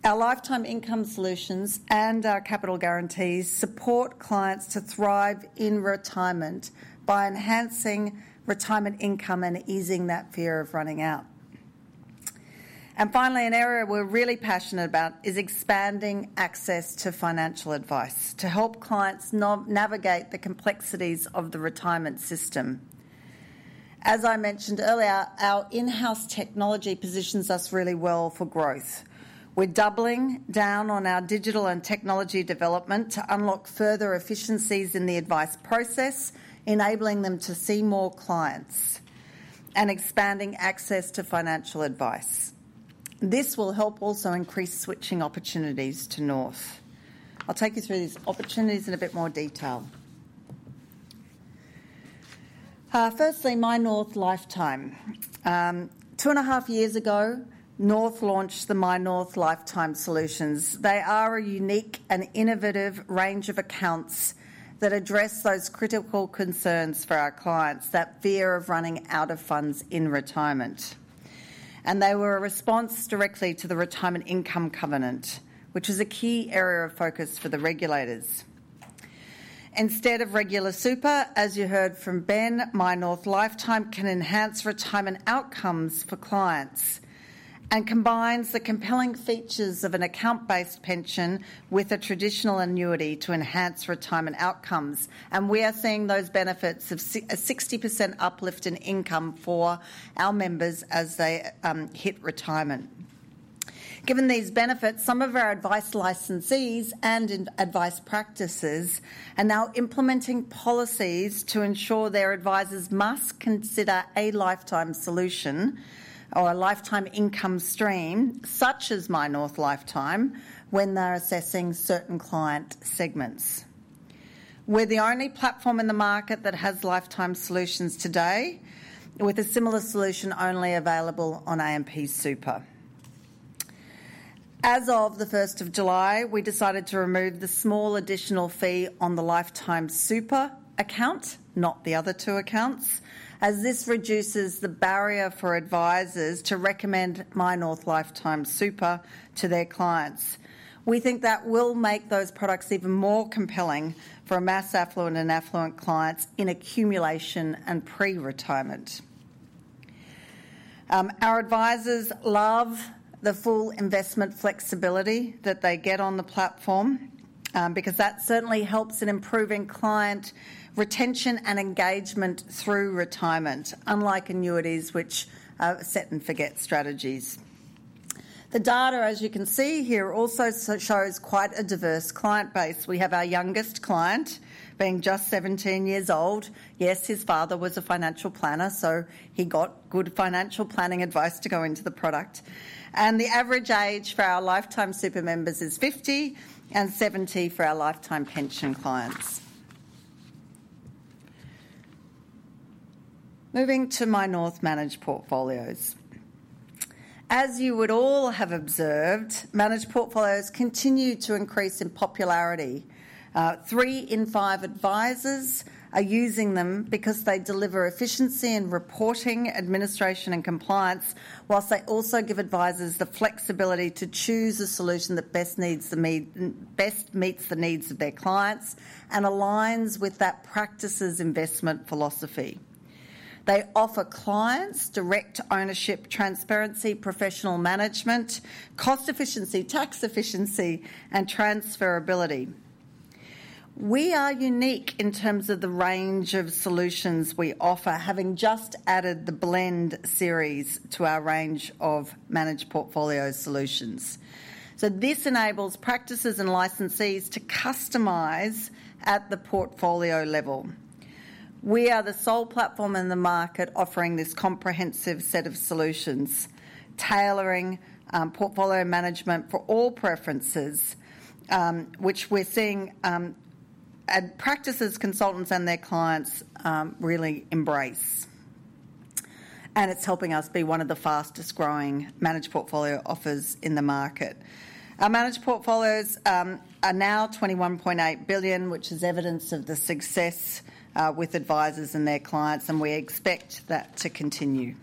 Speaker 4: our lifetime income solutions, and our capital guarantees support clients to thrive in retirement by enhancing retirement income and easing that fear of running out. Finally, an area we're really passionate about is expanding access to financial advice to help clients navigate the complexities of the retirement system. As I mentioned earlier, our in-house technology positions us really well for growth. We're doubling down on our digital and technology development to unlock further efficiencies in the advice process, enabling them to see more clients and expanding access to financial advice. This will also help increase switching opportunities to North. I'll take you through these opportunities in a bit more detail. Firstly, MyNorth Lifetime. Two and a half years ago, North launched the MyNorth Lifetime Solutions. They are a unique and innovative range of accounts that address those critical concerns for our clients, that fear of running out of funds in retirement. They were a response directly to the retirement income covenant, which is a key area of focus for the regulators instead of regular superannuation. As you heard from Ben Hillier, MyNorth Lifetime can enhance retirement outcomes for clients and combines the compelling features of an account-based pension with a traditional annuity to enhance retirement outcomes. We are seeing those benefits of a 60% uplift in income for our members as they hit retirement. Given these benefits, some of our advice licensees and advice practices are now implementing policies to ensure their advisers must consider a lifetime solution or a lifetime income stream such as MyNorth Lifetime when they're assessing certain client segments. We're the only platform in the market that has lifetime solutions today, with a similar solution only available on AMP Super. As of July 1, we decided to remove the small additional fee on the Lifetime Super account, not the other two accounts, as this reduces the barrier for advisors to recommend MyNorth Lifetime Super to their clients. We think that will make those products even more compelling for mass affluent and affluent clients in accumulation and pre-retirement. Our advisors love the full investment flexibility that they get on the platform because that certainly helps in improving client retention and engagement through retirement. Unlike annuities, which are set and forget strategies, the data as you can see here also shows quite a diverse client base. We have our youngest client being just 17 years old. Yes, his father was a financial planner, so he got good financial planning advice to go into the product, and the average age for our Lifetime Super members is 50 and 70 for our lifetime pension clients. Moving to MyNorth Managed Portfolios, as you would all have observed, managed portfolios continue to increase in popularity. Three in five advisors are using them because they deliver efficiency in reporting, administration, and compliance, whilst they also give advisers the flexibility to choose a solution that best meets the needs of their clients and aligns with that practice's investment philosophy. They offer clients direct ownership, transparency, professional management, cost efficiency, tax efficiency, and transferability. We are unique in terms of the range of solutions we offer, having just added the Blend Series to our range of managed portfolio solutions, so this enables practices and licensees to customize at the portfolio level. We are the sole platform in the market offering this comprehensive set of solutions, tailoring portfolio management for all preferences, which we're seeing practices, consultants, and their clients really embrace, and it's helping us be one of the fastest growing managed portfolio offers in the market. Our managed portfolios are now $21.8 billion, which is evidence of the success with advisors and their clients, and we expect that to continue.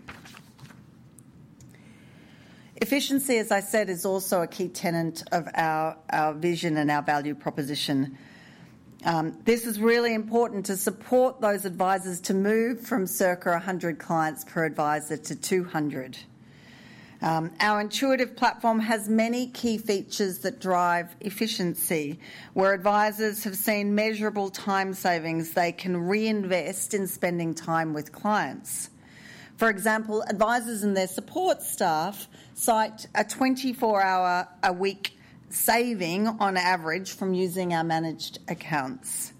Speaker 4: Efficiency, as I said, is also a key tenet of our vision and our value proposition. This is really important to support those advisors to move from circa 100 clients per advisor to 200. Our intuitive platform has many key features that drive efficiency. Where advisers have seen measurable time savings, they can reinvest in spending time with clients. For example, advisors and their support staff cite a 24 hour a week saving on average from using our managed accounts.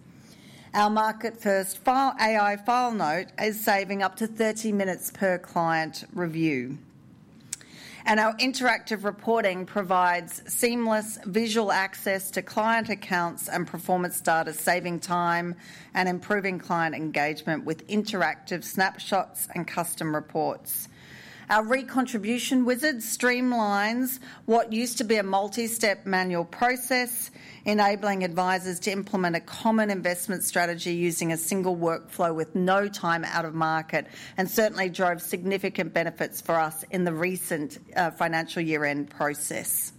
Speaker 4: Our market-first AI file note is saving up to 30 minutes per client review, and our interactive reporting provides seamless visual access to client accounts and performance data, saving time and improving client engagement with interactive snapshots and custom reports. Our RE contribution wizard streamlines what used to be a multi-step manual process, enabling advisors to implement a common investment strategy using a single workflow with no time out of market and certainly drove significant benefits for us in the recent financial year-end process.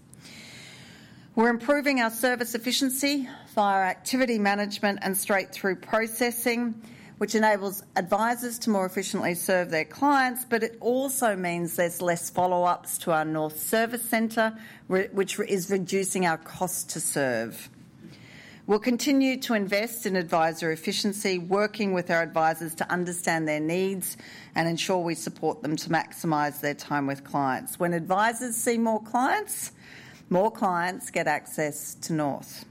Speaker 4: We're improving our service efficiency via activity management and straight-through processing, which enables advisers to more efficiently serve their clients. It also means there's less follow ups to our North Service Centre, which is reducing our cost to serve. We'll continue to invest in advisor efficiency, working with our advisers to understand their needs and ensure we support them to maximize their time with clients. When advisers see more clients, more clients get access to North.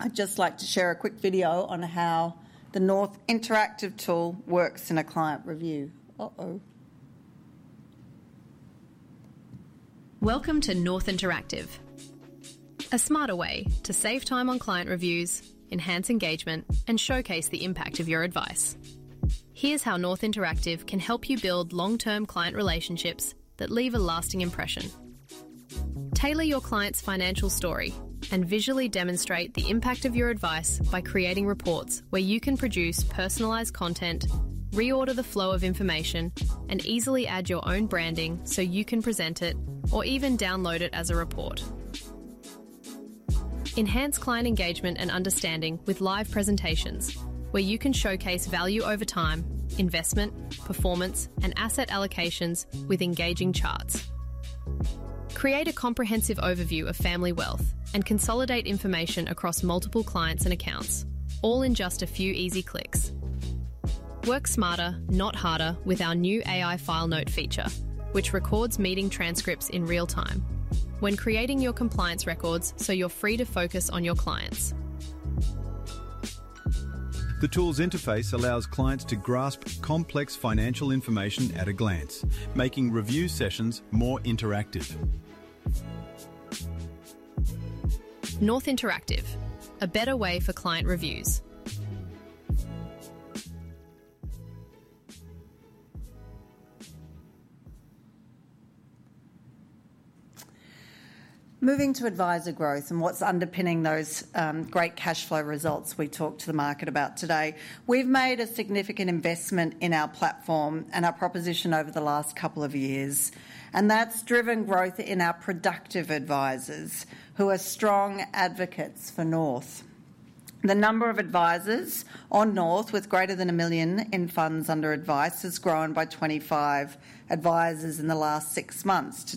Speaker 4: I'd just like to share a quick video on how the North Interactive tool works in a client review. Uh oh.
Speaker 5: Welcome to North Interactive. A smarter way to save time on client reviews, enhance engagement, and showcase the impact of your advice. Here's how North Interactive can help you build long-term client relationships that leave a lasting impression. Tailor your client's financial story and visually demonstrate the impact of your advice by creating reports where you can produce personalized content, reorder the flow of information, and easily add your own branding so you can present it or even download it as a report. Enhance client engagement and understanding with live presentations where you can showcase value over time, investment performance, and asset allocations with engaging charts. Create a comprehensive overview of family wealth and consolidate information across multiple clients and accounts, all in just a few easy clicks. Work smarter, not harder, with our new AI File Note feature, which records meeting transcripts in real time when creating your compliance records so you're free to focus on your clients.
Speaker 3: The tool's interface allows clients to grasp complex financial information at a glance, making review sessions more interactive.
Speaker 5: North Platform Interactive. A better way for client reviews.
Speaker 4: Moving to Adviser Growth, what's underpinning those great cash flow results we talked to the market about today? We've made a significant investment in our platform and our proposition over the last couple of years, and that's driven growth in our productive advisers who are strong advocates for North. The number of advisers on North with greater than $1 million in funds under advice has grown by 25 advisers in the last six months to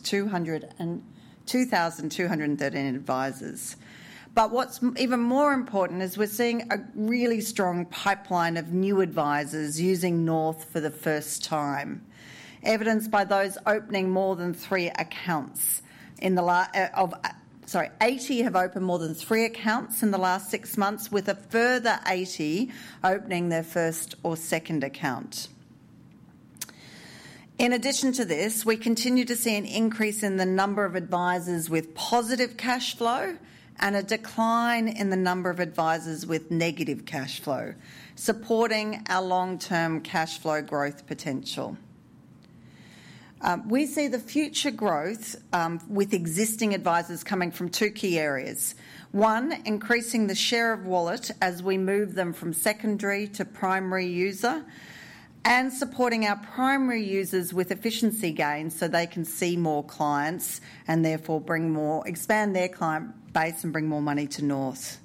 Speaker 4: 2,213 advisers. What's even more important is we're seeing a really strong pipeline of new advisers using North for the first time, evidenced by those opening more than three accounts. Eighty have opened more than three accounts in the last six months, with a further 80 opening their first or second accounts. In addition to this, we continue to see an increase in the number of advisers with positive cash flow and a decline in the number of advisers with negative cash flow, supporting our long-term cash flow growth potential. We see the future growth with existing advisers coming from two key areas. First, increasing the share of wallet as we move them from secondary to primary user and supporting our primary users with efficiency gains so they can see more clients and therefore expand their client base and bring more money to North.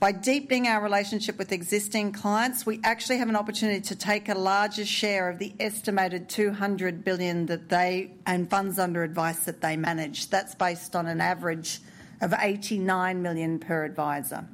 Speaker 4: By deepening our relationship with existing clients, we actually have an opportunity to take a larger share of the estimated $200 billion in funds under advice that they manage. That's based on an average of $89 million per adviser.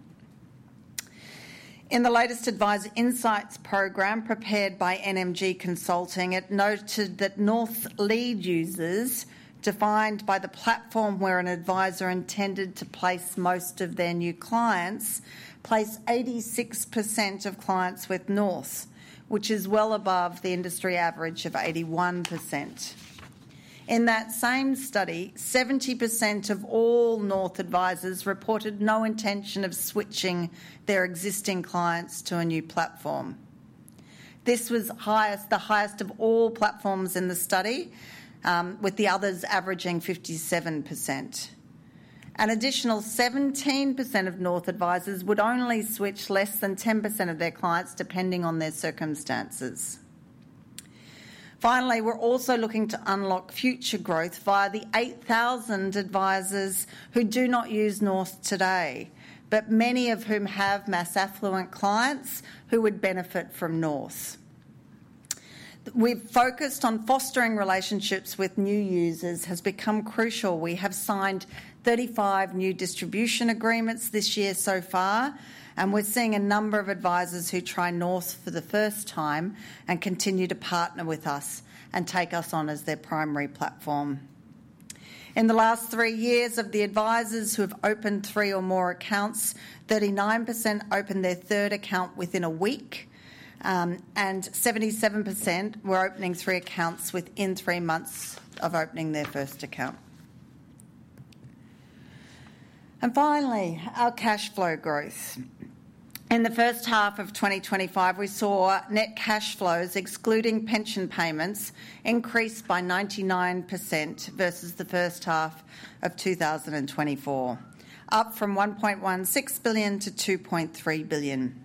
Speaker 4: In the latest Adviser Insights program prepared by NMG Consulting, it noted that North lead users, defined by the platform where an adviser intended to place most of their new clients, place 86% of clients with North, which is well above the industry average of 81%. In that same study, 70% of all North advisers reported no intention of switching their existing clients to a new platform. This was the highest of all platforms in the study, with the others averaging 57%. An additional 17% of North advisers would only switch less than 10% of their clients, depending on their circumstances. Finally, we're also looking to unlock future growth via the 8,000 advisers who do not use North today, but many of whom have mass affluent clients who would benefit from North. We've focused on fostering relationships with new users, which has become crucial. We have signed 35 new distribution agreements this year so far, and we're seeing a number of advisers who try North for the first time and continue to partner with us and take us on as their primary platform. In the last three years, of the advisers who have opened three or more accounts, 39% opened their third account within a week, and 77% were opening three accounts within three months of opening their first account. Finally, our cash flow growth. In the first half of 2025, we saw net cash flows excluding pension payments increase by 99% versus the first half of 2024, up from $1.16 billion to $2.3 billion.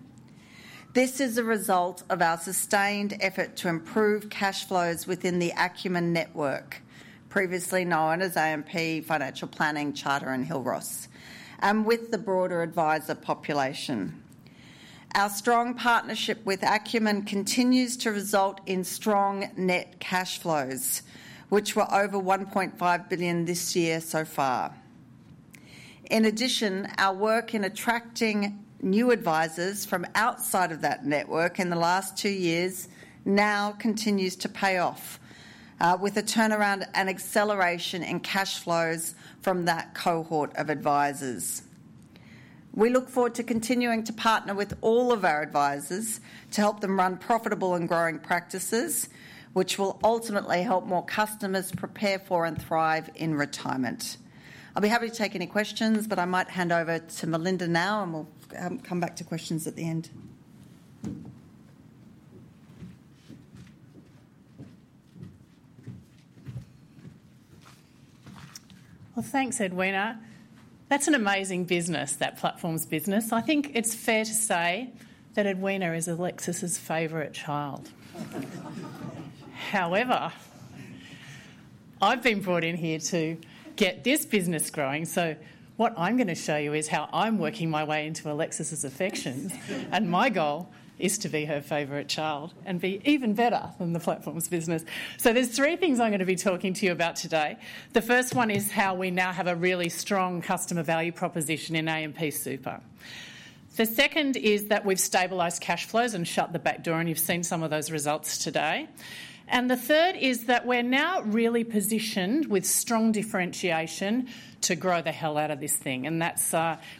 Speaker 4: This is a result of our sustained effort to improve cash flows within the Acumen Network, previously known as AMP Financial Planning, Charter, and Hillross. With the broader advisor population, our strong partnership with Acumen continues to result in strong net cash flows, which were over $1.5 billion this year so far. In addition, our work in attracting new advisors from outside of that network in the last two years now continues to pay off with a turnaround and acceleration in cash flows from that cohort of advisers. We look forward to continuing to partner with all of our advisors to help them run profitable and growing practices, which will ultimately help more customers prepare for and thrive in retirement. I'll be happy to take any questions, but I might hand over to Melinda now and we'll come back to questions at the end.
Speaker 5: Thanks Edwina. That's an amazing business. That platform's business. I think it's fair to say that Edwina is Alexis's favorite child. However, I've been brought in here to get this business growing, so what I'm going to show you is how I'm working my way into Alexis's affections and my goal is to be her favorite child and be even better than the platforms business. There are three things I'm going to be talking to you about today. The first one is how we now have a really strong customer value proposition in AMP Super. The second is that we've stabilized cash flows and shut the back door and you've seen some of those results today. The third is that we're now really positioned with strong differentiation to grow the hell out of this thing and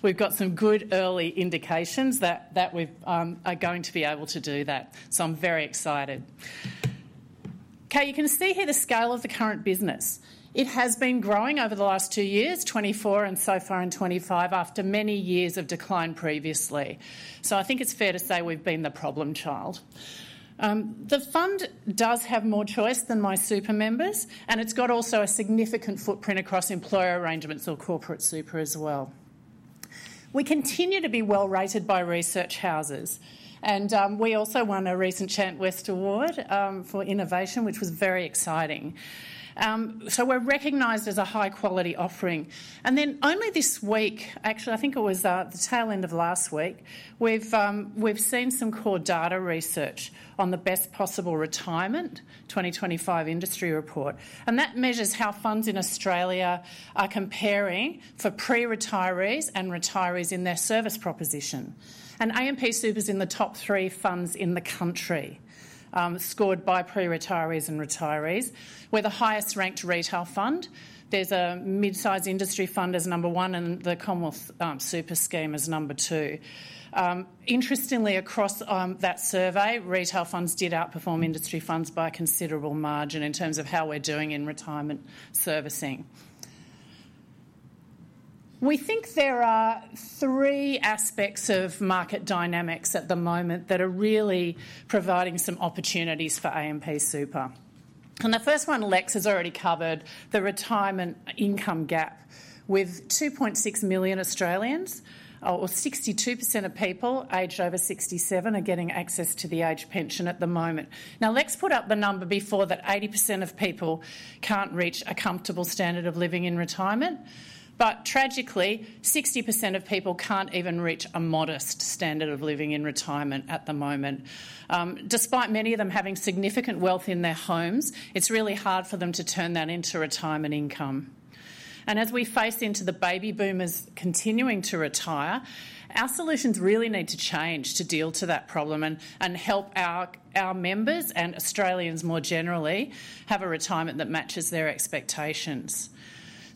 Speaker 5: we've got some good early indications that we are going to be able to do that. I'm very excited. You can see here the scale of the current business. It has been growing over the last two years, 2024 and so far in 2025 after many years of decline previously. I think it's fair to say we've been the problem child. The fund does have more choice than MySuper members and it's got also a significant footprint across employer arrangements or corporate super as well. We continue to be well rated by research houses and we also won a recent Chant West Award for innovation, which was very exciting. We're recognized as a high quality offering. Only this one actually, I think it was the tail end of last week, we've seen some CoreData research on the Best Possible Retirement 2025 Industry Report and that measures how funds in Australia are comparing for pre-retirees and retirees in their service proposition. AMP Super is in the top three funds in the country scored by pre-retirees and retirees. We're the highest ranked retail fund. There's a mid-sized industry fund as number one and the Commonwealth Super Scheme as number two. Interestingly, across that survey, retail funds did outperform industry funds by a considerable margin in terms of how we're doing in retirement servicing. We think there are three aspects of market dynamics at the moment that are really providing some opportunities for AMP Super and the first one, Lex has already covered, the retirement income gap with 2.6 million Australians or 62% of people aged over 67 are getting access to the age pension at the moment. Now let's put up the number before that. 80% of people can't reach a comfortable standard of living in retirement. Tragically, 60% of people can't even reach a modest standard of living in retirement at the moment, despite many of them having significant wealth in their homes. It's really hard for them to turn that into retirement income. As we face into the baby boomers continuing to retire, our solutions really need to change to deal with that problem and help our members and Australians more generally have a retirement that matches their expectations.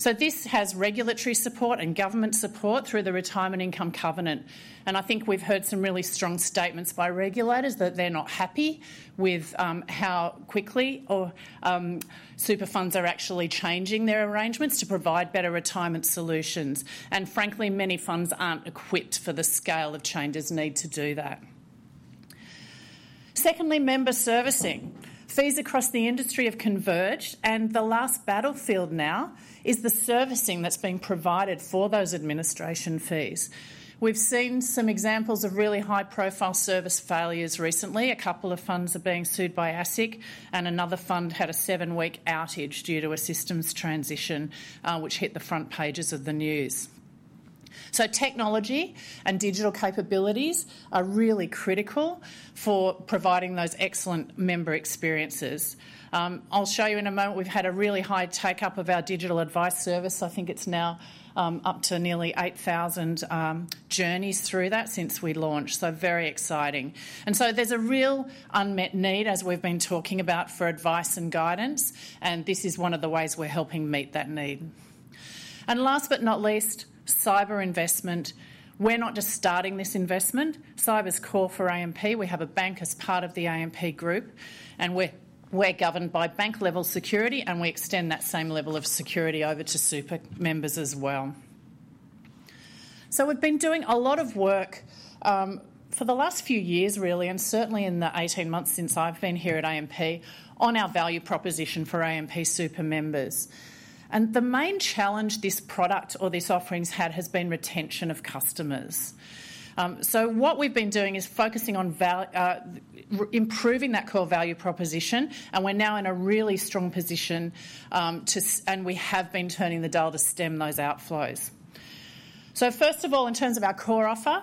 Speaker 5: This has regulatory support and government support through the retirement income covenant. I think we've heard some really strong statements by regulators that they're not happy with how quickly super funds are actually changing their arrangements to provide better retirement solutions. Frankly, many funds aren't equipped for the scale of changes needed to do that. Secondly, member servicing fees across the industry have converged, and the last point of battlefield now is the servicing that's being provided for those administration fees. We've seen some examples of really high-profile service failures recently. A couple of funds are being sued by ASIC, and another fund had a seven-week outage due to a systems transition which hit the front pages of the news. Technology and digital capabilities are really critical for providing those excellent member experiences. I'll show you in a moment. We've had a really high take-up of our digital advice service. I think it's now up to nearly 8,000 journeys through that since we launched, which is very exciting. There's a real unmet need, as we've been talking about, for advice and guidance, and this is one of the ways we're helping meet that need. Last but not least, cyber investment. We're not just starting this in investment. Cyber is core for AMP. We have a bank as part of the AMP Group, and we're governed by bank-level security, and we extend that same level of security over to super members as well. We've been doing a lot of work for the last few years, and certainly in the 18 months since I've been here at AMP, on our value proposition for AMP Super members. The main challenge this product or this offering's had has been retention of customers. What we've been doing is focusing on improving that core value proposition, and we're now in a really strong position, and we have been turning the dial to stem those outflows. First of all, in terms of our core offer,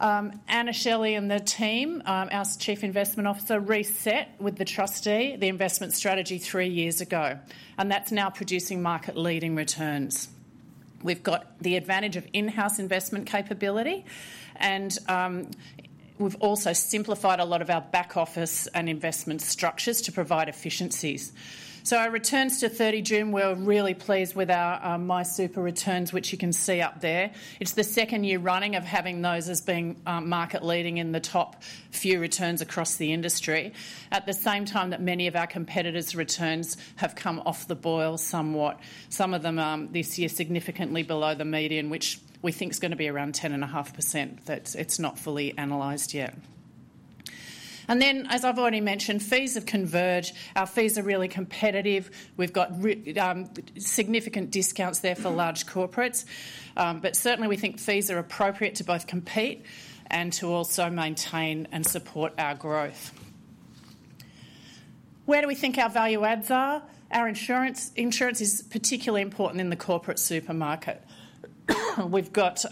Speaker 5: Anna Shelley and the team, our Chief Investment Officer, reset with the trustee the investment strategy three years ago and that's now producing market leading returns. We've got the advantage of in-house investment capability and we've also simplified a lot of our back office and investment structures to provide efficiencies. Our returns to 30 June, we're really pleased with our MySuper returns, which you can see up there. It's the second year running of having those as being market leading in the top few returns across the industry. At the same time, many of our competitors' returns have come off the boil somewhat, some of them this year significantly below the median, which we think is going to be around 10.5%. It's not fully analyzed yet. As I've already mentioned, fees have converged. Our fees are really competitive. We've got significant discounts there for large corporates, but certainly we think fees are appropriate to both compete and to also maintain and support our growth. Where do we think our value adds are? Our insurance is particularly important in the corporate super market. We've got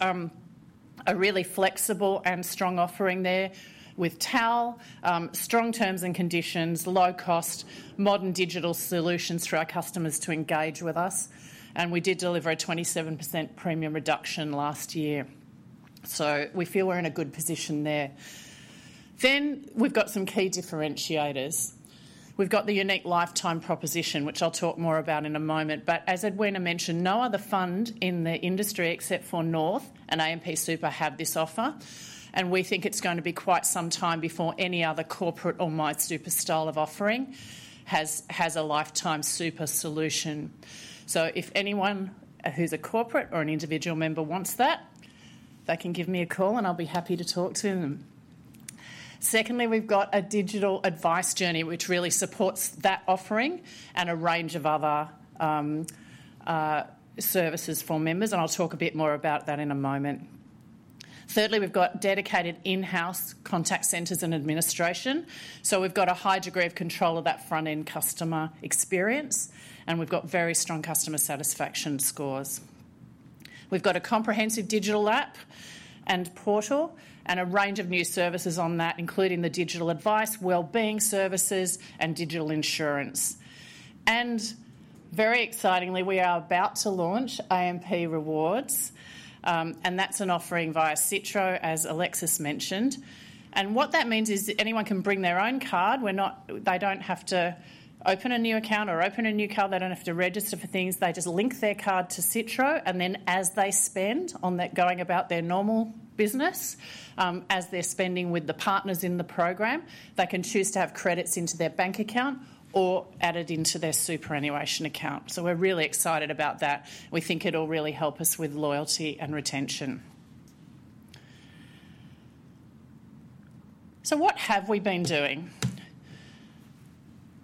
Speaker 5: a really flexible and strong offering there with TAL, strong terms and conditions, low cost, modern digital solutions for our customers to engage with us. We did deliver a 2016 7% premium reduction last year, so we feel we're in a good position there. We've got some key differentiators. We've got the unique lifetime proposition, which I'll talk more about in a moment. As Edwina mentioned, no other fund in the industry except for North and AMP Super have this offer, and we think it's going to be quite some time before any other corporate or MySuper style of offering has a Lifetime Super solution. If anyone who's a corporate or an individual member wants that, they can give me a call and I'll be happy to talk to them. We've got a digital advice journey which really supports that offering and a range of other services for members, and I'll talk a bit more about that in a moment. We've got dedicated in-house contact centers and administration, so we've got a high degree of control of that front-end customer experience and we've got very strong customer satisfaction scores. We've got a comprehensive digital app and portal and a range of new services on that, including the digital advice, wellbeing services, and digital insurance. Very excitingly, we are about to launch AMP Rewards and that's an offering via Citro, as Alexis George mentioned. What that means is anyone can bring their own card, they don't have to open a new account or open a new card, they don't have to register for things, they just link their card to Citro and then as they spend on going about their normal business, as they're spending with the partners in the program, they can choose to have credits into their bank account or add it into their superannuation account. We're really excited about that. We think it'll really help us with loyalty and retention. What have we been doing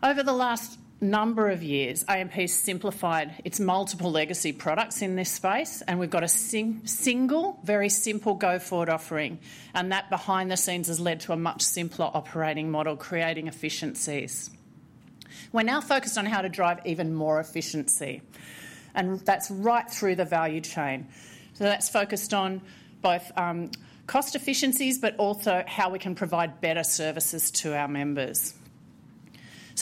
Speaker 5: over the last number of years? AMP has simplified its multiple legacy products in this space and we've got a single very simple go-forward offering. That behind the scenes has led to a much simpler operating model, creating efficiencies. We're now focused on how to drive even more efficiency and that's right through the value chain. That's focused on both cost efficiencies, but also how we can provide better services to our members.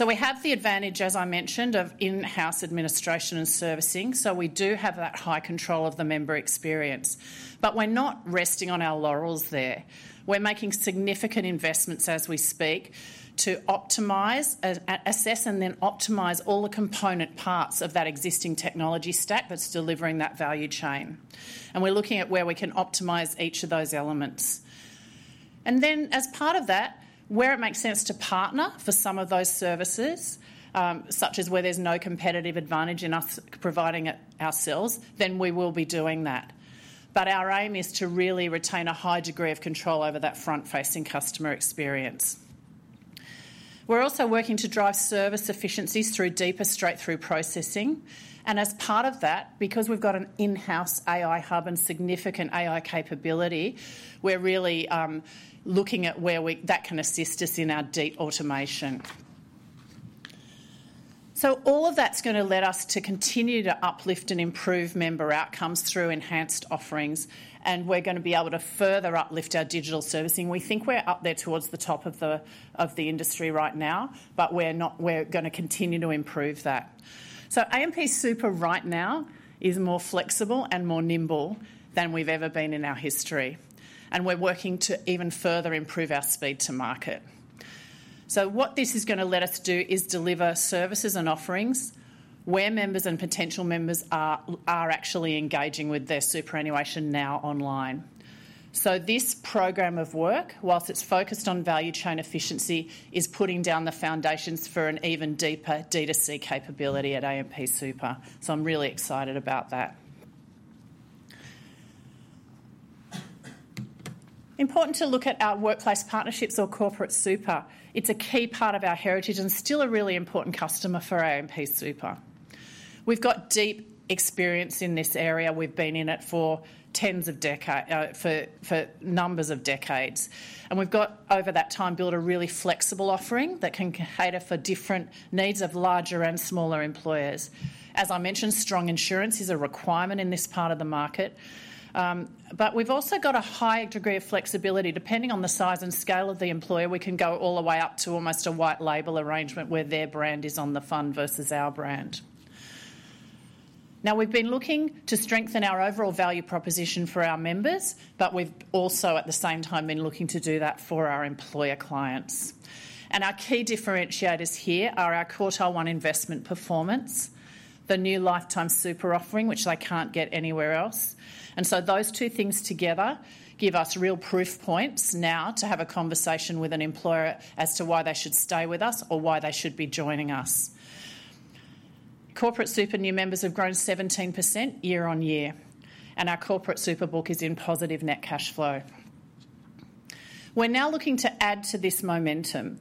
Speaker 5: We have the advantage, as I mentioned, of in-house administration and servicing. We do have that high control of the member experience. We're not resting on our laurels there. We're making significant investments as we speak to optimize, assess, and then optimize all the component parts of that existing technology stack that's delivering that value chain. We're looking at where we can optimize each of those elements. As part of that, where it makes sense to partner for some of those services, such as where there's no competitive advantage in us providing it ourselves, we will be doing that. Our aim is to really retain a high degree of control over that front-facing customer experience. We're also working to drive service efficiencies through deeper, straight-through processing. As part of that, because we've got an in-house AI hub and significant AI capability, we're really looking at where that can assist us in our deep automation. All of that's going to let us continue to uplift and improve member outcomes through enhanced offerings and we're going to be able to further uplift our digital servicing. We think we're up there towards the top of the industry right now, but we're not. We're going to continue to improve that. AMP Super right now is more flexible and more nimble than we've ever been in our history. We are working to even further improve our speed to market. What this is going to let us do is deliver services and offerings where members and potential members are actually engaging with their superannuation now online. This program of work, while it's focused on value chain efficiency, is putting down the foundations for an even deeper D2C capability at AMP Super. I'm really excited about that. It is important to look at our workplace partnerships or corporate super. It's a key part of our heritage and still a really important customer for AMP Super. We've got deep experience in this area, we've been in it for decades. Over that time, we've built a really flexible offering that can cater for different needs of larger and smaller employers. As I mentioned, strong insurance is a requirement in this part of the market, but we've also got a high degree of flexibility. Depending on the size and scale of the employer, we can go all the way up to almost a white label arrangement where their brand is on the fund versus our brand. We have been looking to strengthen our overall value proposition for our members, but we've also at the same time been looking to do that for our employer clients. Our key differentiators here are our Quartile 1 investment performance, the new Lifetime Super offering, which they can't get anywhere else. Those two things together give us real proof points now to have a conversation with an employer as to why they should stay with us or why they should be joining us. Corporate super new members have grown 17% year on year and our corporate super book is in positive net cash flow. We are now looking to add to this momentum.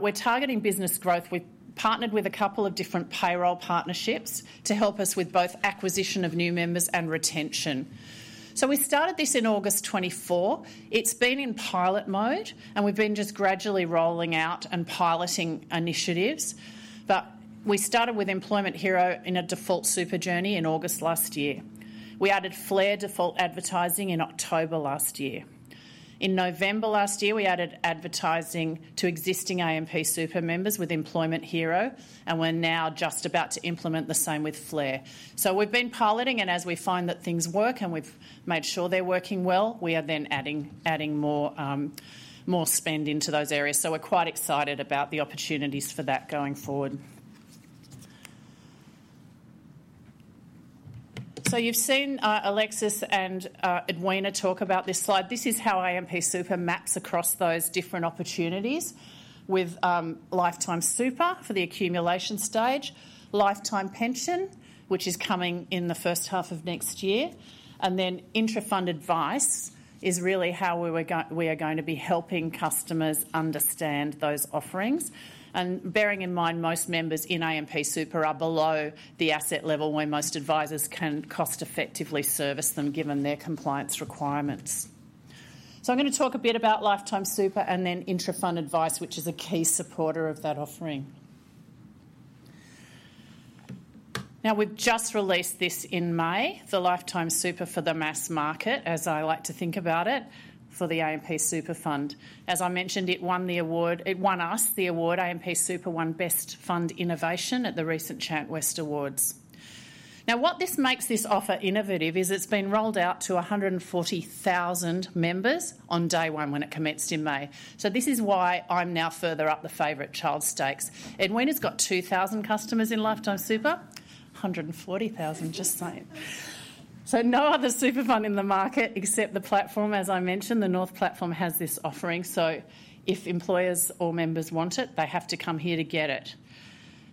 Speaker 5: We are targeting business growth. We've partnered with a couple of different payroll partnerships to help us with both acquisition of new members and retention. We started this in August 2023. It's been in pilot mode and we've been gradually rolling out and piloting initiatives. We started with Employment Hero in a default super journey in August last year. We added Flare default advertising in October last year. In November last year, we added advertising to existing AMP Super members with Employment Hero and we are now just about to implement the same with Flare. We have been piloting and as we find that things work and we've made sure they're working well, we are then adding more spend into those areas. We're quite excited about the opportunities for that going forward. You've seen Alexis George and Edwina Maloney talk about this slide. This is how AMP Super maps across those different opportunities with Lifetime Super for the accumulation stage, Lifetime Pension which is coming in the first half of next year, and then Intra Fund Advice is really how we are going to be helping customers understand those offerings. Bearing in mind most members in AMP Super are below the asset level where most advisors can cost effectively service them given their compliance requirements. I'm going to talk a bit about Lifetime Super and then Intrafund Advice which is a key supporter of that offering. We've just released this in May, the Lifetime Super for the mass market. As I like to think about it for the AMP Super Fund, as I mentioned, it won the award. It won us the award. AMP Super won Best Fund Innovation at the recent ChantWest Awards. What makes this offer innovative is it's been rolled out to 140,000 members on day one when it commenced in May. This is why I'm now further up the favorite child stakes. Edwina's got 2,000 customers in Lifetime Super. 140,000, just saying. No other super fund in the market except the platform, as I mentioned, the North Platform, has this offering. If employers or members want it, they have to come here to get it.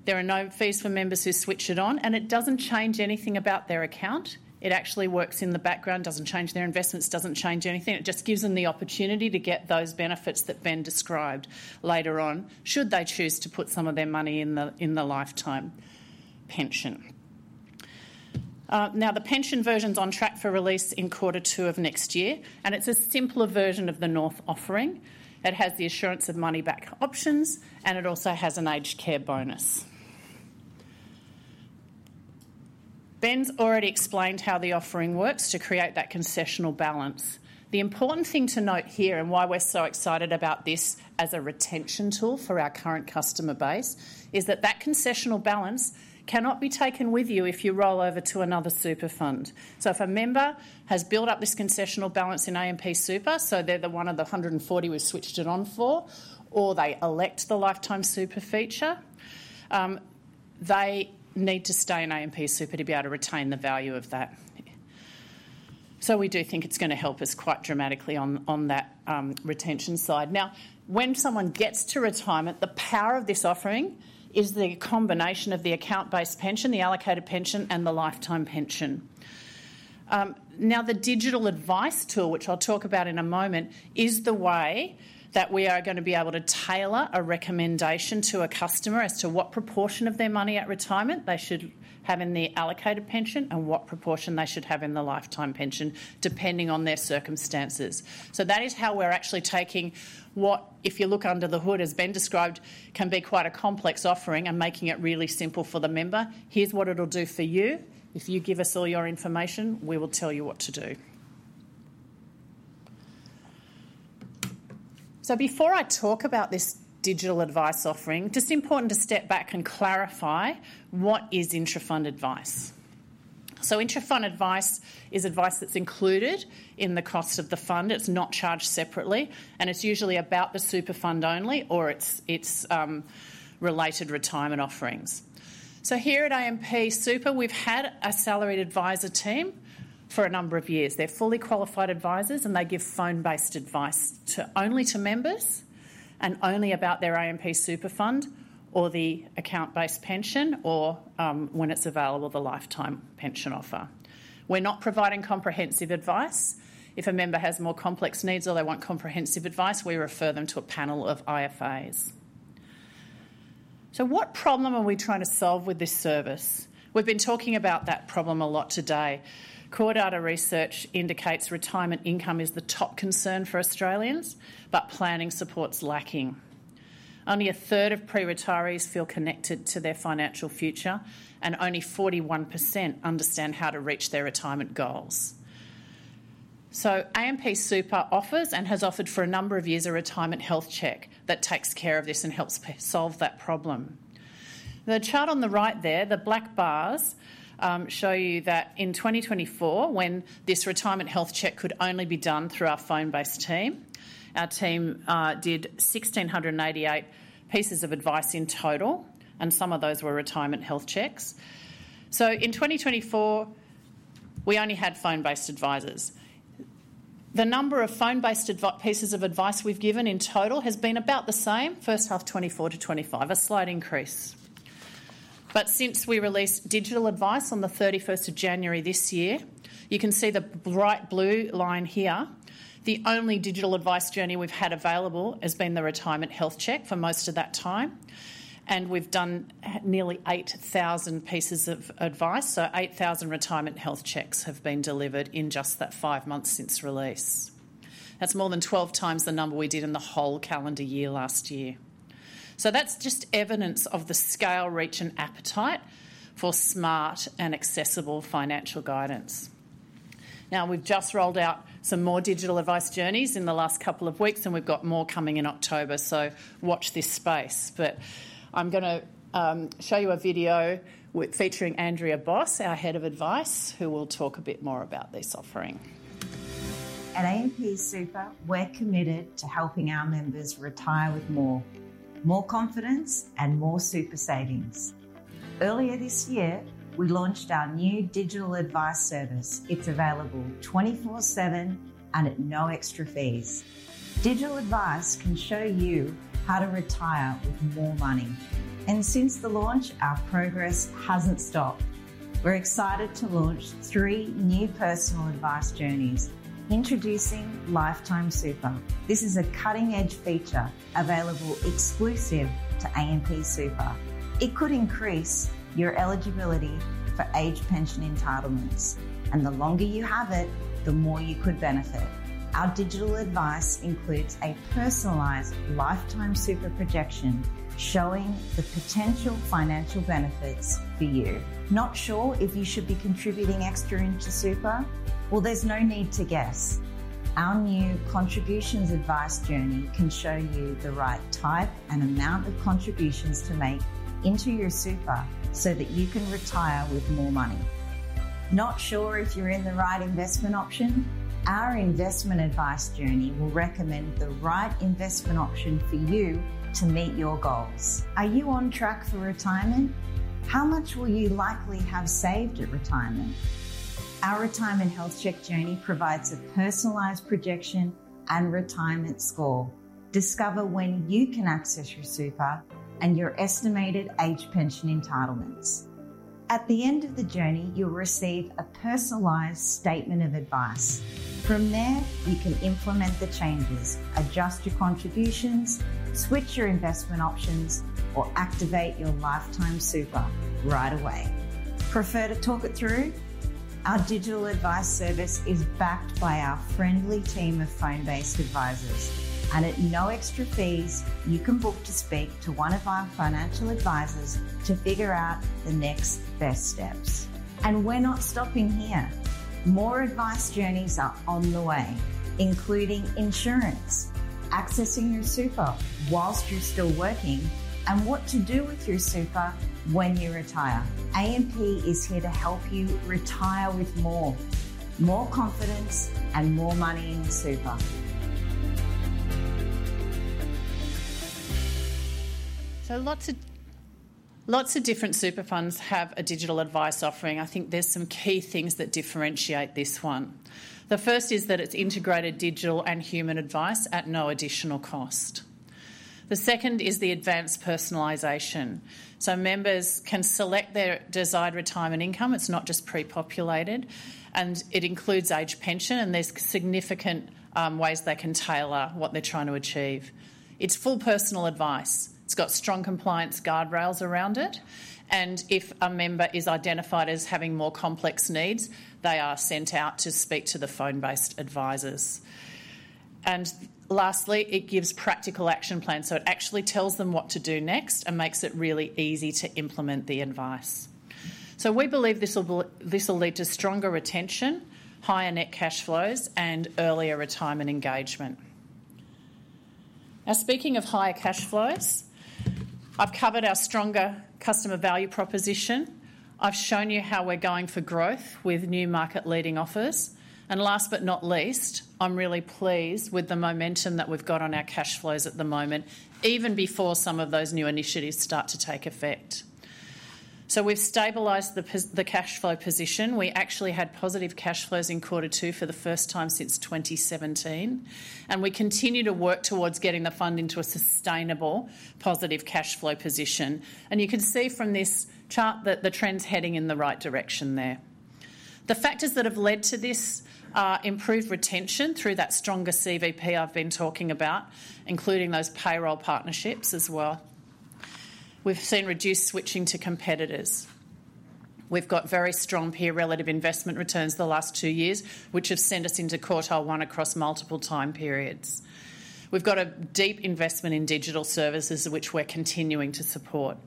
Speaker 5: There are no fees for members who switch it on and it doesn't change anything about their account. It actually works in the background, doesn't change their investments, doesn't change anything. It just gives them the opportunity to get those benefits that Ben Hillier described later on should they choose to put some of their money in the Lifetime Pension. The pension version is on track for release in quarter two of next year and it's a simpler version of the North offering. It has the assurance of money back options and it also has an aged care bonus. Ben's already explained how the offering works to create that concessional balance. The important thing to note here and why we're so excited about this as a retention tool for our current customer base is that that concessional balance cannot be taken with you if you roll over to another super fund. If a member has built up this concessional balance in AMP Super, so they're one of the 140,000 we've switched it on for, or they elect the Lifetime Super feature, they need to stay in AMP Super to be able to retain the value of that. We do think it's going to help us quite dramatically on that retention side. When someone gets to retirement, the power of this offering is the combination of the account-based pension, the allocated pension, and the lifetime pension. The digital advice tool, which I'll talk about in a moment, is the way that we are going to be able to tailor a recommendation to a customer as to what proportion of their money at retirement they should have in the allocated pension and what proportion they should have in the lifetime pension, depending on their circumstances. That is how we're actually taking what, if you look under the hood, as Ben described, can be quite a complex offering and making it really simple for the member. Here's what it'll do for you. If you give us all your information, we will tell you what to do. Before I talk about this digital advice offering, it's important to step back and clarify what is intrafund advice. Intrafund advice is advice that is included in the cost of the fund, it's not charged separately, and it's usually about the super fund only or its related retirement offerings. Here at AMP Super, we've had a salaried advisor team for a number of years. They're fully qualified advisers and they give phone-based advice only to members and only about their AMP Super fund or the account-based pension or, when it's available, the lifetime pension offer. We're not providing comprehensive advice. If a member has more complex needs or they want comprehensive advice, we refer them to a panel of IFAs. What problem are we trying to solve with this service? We've been talking about that problem a lot today. CoreData research indicates retirement income is the top concern for Australians, but planning support's lacking. Only a third of pre-retirees feel connected to their financial future and only 41% understand how to reach their retirement goals. AMP Super offers and has offered for a number of years a retirement health check that takes care of this and helps solve that problem. The chart on the right there, the black bars show you that in 2024, when this retirement health check could only be done through our phone-based team, our team did 1,688 pieces of advice in total and some of those were retirement health checks. In 2024 we only had phone-based advisors. The number of phone-based pieces of advice we've given in total has been about the same first half, 2024 to 2025, a slight increase. Since we released digital advice on 31 January this year, you can see the bright blue line here. The only digital advice journey we've had available has been the retirement health check for most of that time, and we've done nearly 8,000 pieces of advice. So 8,000 retirement health checks have been delivered in just that five months since release. That's more than 12 times the number we did in the whole calendar year last year. That's just evidence of the scale, reach, and appetite for smart and accessible financial guidance. We've just rolled out some more digital advice journeys in the last couple of weeks, and we've got more coming in October. Watch this space. I'm going to show you a video featuring Andrea Boss, our Head of Advice, who will talk a bit more about this offering.
Speaker 6: At AMP Super, we're committed to helping our members retire with more, more confidence, and more super savings. Earlier this year, we launched our new digital advice service. It's available 24/7 and at no extra fees. Digital advice can show you how to retire with more money. Since the launch, our progress hasn't stopped. We're excited to launch three new personal advice journeys introducing Lifetime Super. This is a cutting-edge feature available exclusively to AMP Super. It could increase your eligibility for age pension entitlements, and the longer you have it, the more you could benefit. Our digital advice includes a personalized Lifetime Super projection showing the potential financial benefits for you. Not sure if you should be contributing extra into super? There's no need to guess. Our new contributions advice journey can show you the right type and amount of contributions to make into your super so that you can retire with more money. Not sure if you're in the right investment option? Our investment advice journey will recommend the right investment option for you to meet your goals. Are you on track for retirement? How much will you likely have saved at retirement? Our retirement health check journey provides a personalized projection and retirement score. Discover when you can access your super and your estimated age pension entitlements. At the end of the journey, you'll receive a personalized statement of advice. From there, you can implement the changes, adjust your contributions, switch your investment options, or activate your Lifetime Super right away.
Speaker 4: Prefer to talk it through.
Speaker 6: Our digital advice service is backed by our friendly team of phone-based advisors, and at no extra fees you can book to speak to one of our financial advisors to figure out the next best steps. We're not stopping here. More advice journeys are on the way, including insurance, accessing your super whilst you're still working, and what to do with your super when you retire. AMP is here to help you retire with more confidence and more money in super.
Speaker 5: Lots of different super funds have a digital advice offering. I think there's some key things that differentiate this one. The first is that it's integrated digital and human advice at no additional cost. The second is the advanced personalization so members can select their desired retirement income. It's not just pre-populated and it includes age pension, and there are significant ways they can tailor what they're trying to achieve. It's full personal advice, it's got strong compliance guardrails around it, and if a member is identified as having more complex needs, they are sent out to speak to the phone-based advisors. Lastly, it gives practical action plans so it actually tells them what to do next and makes it really easy to implement the advice. We believe this will lead to stronger retention, higher net cash flows, and earlier retirement engagement. Now, speaking of higher cash flows, I've covered our stronger customer value proposition. I've shown you how we're going for growth with new market-leading offers. Last but not least, I'm really pleased with the momentum that we've got on our cash flows at the moment, even before some of those new initiatives start to take effect. We've stabilized the cash flow position. We actually had positive cash flows in quarter 2 for the first time since 2017, and we continue to work towards getting the fund into a sustainable positive cash flow position. You can see from this chart that the trend's heading in the right direction there. The factors that have led to this are improved retention through that stronger CVP I've been talking about, including those payroll partnerships as well. We've seen reduced switching to competitors. We've got very strong peer relative investment returns the last two years, which have sent us into quartile one across multiple time periods. We've got a deep investment in digital services, which we're continuing to support.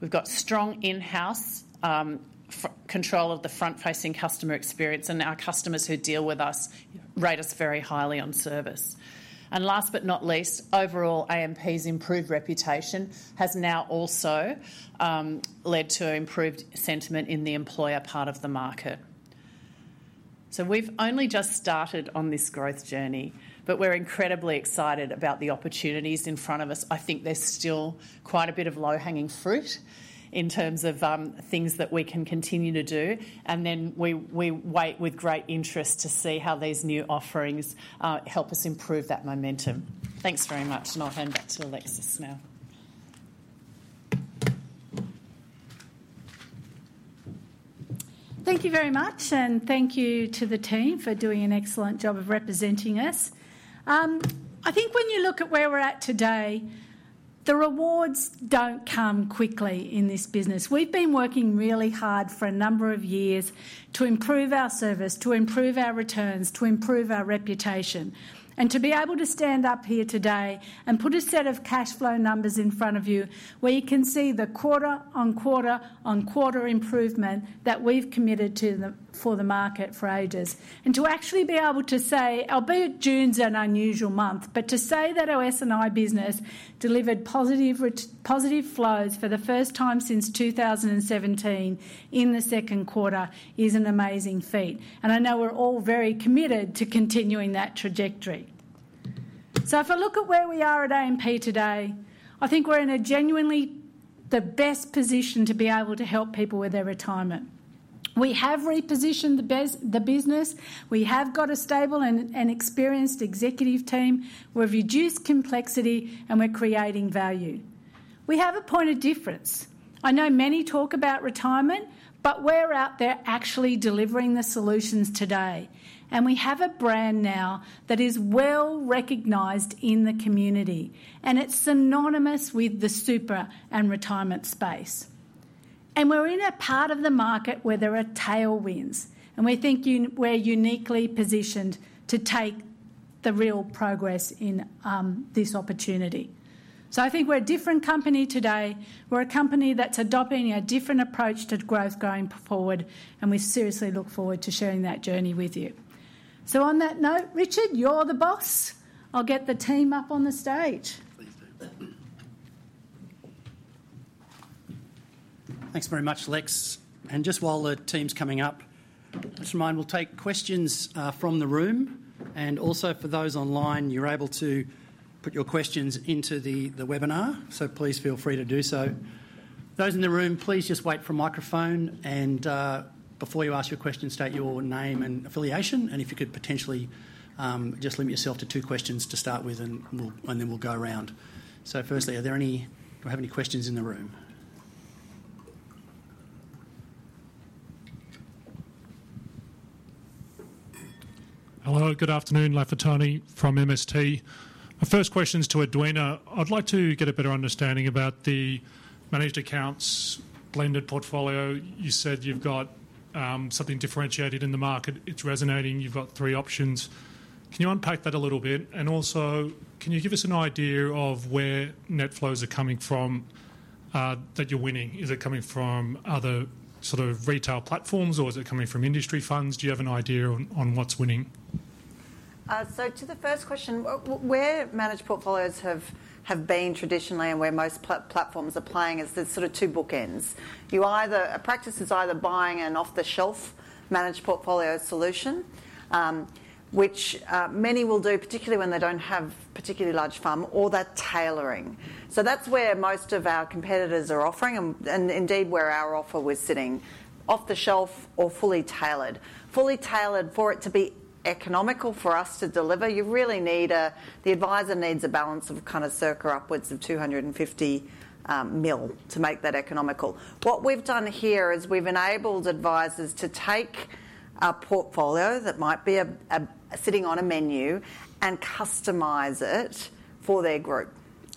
Speaker 5: We've got strong in-house control of the front-facing customer experience, and our customers who deal with us rate us very highly on service. Last but not least, overall, AMP's improved reputation has now also led to improved sentiment in the employer part of the market. We've only just started on this growth journey, but we're incredibly excited about the opportunities in front of us. I think there's still quite a bit of low-hanging fruit in terms of things that we can continue to do. We wait with great interest to see how these new offerings help us improve that momentum. Thanks very much and I'll hand back to Alexis now.
Speaker 2: Thank you very much and thank you to the team for doing an excellent job of representing us. I think when you look at where we're at today, the rewards don't come quickly in this business. We've been working really hard for a number of years to improve our service, to improve our returns, to improve our reputation and to be able to stand up here today and put a set of cash flow numbers in front of you where you can see the quarter on quarter on quarter improvement that we've committed to for the market for ages and to actually be able to say, albeit June's an unusual month, to say that our S&I business delivered positive flows for the first time since 2017 in the second quarter is an amazing feat and I know we're all very committed to continuing that trajectory. If I look at where we are at AMP today, I think we're in genuinely the best position to be able to help people with their retirement. We have repositioned the business, we have got a stable and experienced executive team, we've reduced complexity and we're creating value. We have a point of difference. I know many talk about retirement, but we're out there actually delivering the solutions today. We have a brand now that is well recognized in the community and it's synonymous with the super and retirement space. We're in a part of the market where there are tailwinds and we think we're uniquely positioned to take the real progress in this opportunity. I think we're a different company today. We're a company that's adopting a different approach to growth going forward and we seriously look forward to sharing that journey with you. On that note, Richard, you're the boss. I'll get the team up on the stage.
Speaker 1: Thanks very much, Lex. While the team's coming up, just a reminder we'll take questions from the room. For those online, you're able to put your questions into the webinar, so please feel free to do so. Those in the room, please just wait for the microphone and before you ask your questions, state your name and affiliation. If you could potentially just limit yourself to two questions to start with, then we'll go around. Firstly, are there any questions in the room? Hello, good afternoon. Lafetani from MST. My first question is to Edwina. I'd like to get a better understanding about the managed accounts blended portfolio. You said you've got something differentiated in the market. It's resonating. You've got three options. Can you unpack that a little bit? Also, can you give us an idea of where net flows are coming from that you're winning? Is it coming from other sort of retail platforms or is it coming from industry funds? Do you have an idea on what's winning?
Speaker 4: To the first question, where managed portfolios have been traditionally and where most platforms are playing is there's sort of two bookends. A practice is either buying an off-the-shelf managed portfolio solution, which many will do, particularly when they don't have particularly large FUM or that tailoring. That's where most of our competitors are offering and indeed where our offer was sitting, off-the-shelf or fully tailored. Fully tailored, for it to be economical for us to deliver, you really need—the adviser needs a balance of kind of circa upwards of $250 million to make that economical. What we've done here is we've enabled advisers to take a portfolio that might be sitting on a menu and customize it for their group.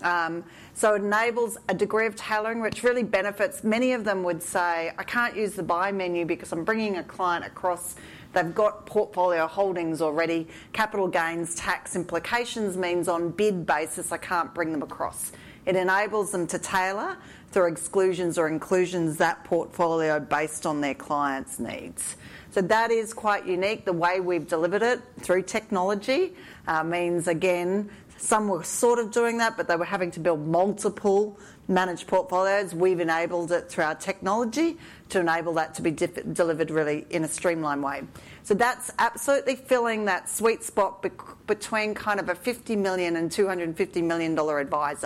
Speaker 4: It enables a degree of tailoring which really benefits. Many of them would say, I can't use the buy menu because I'm bringing a client across, they've got portfolio holdings already, capital gains tax implications means on bid basis I can't bring them across. It enables them to tailor through exclusions or inclusions that portfolio based on their clients' needs. That is quite unique. The way we've delivered it through technology means, again, some were sort of doing that but they were having to build multiple managed portfolios. We've enabled it through our technology to enable that to be delivered really in a streamlined way. That's absolutely filling that sweet spot between kind of $50 million and $250 million advice,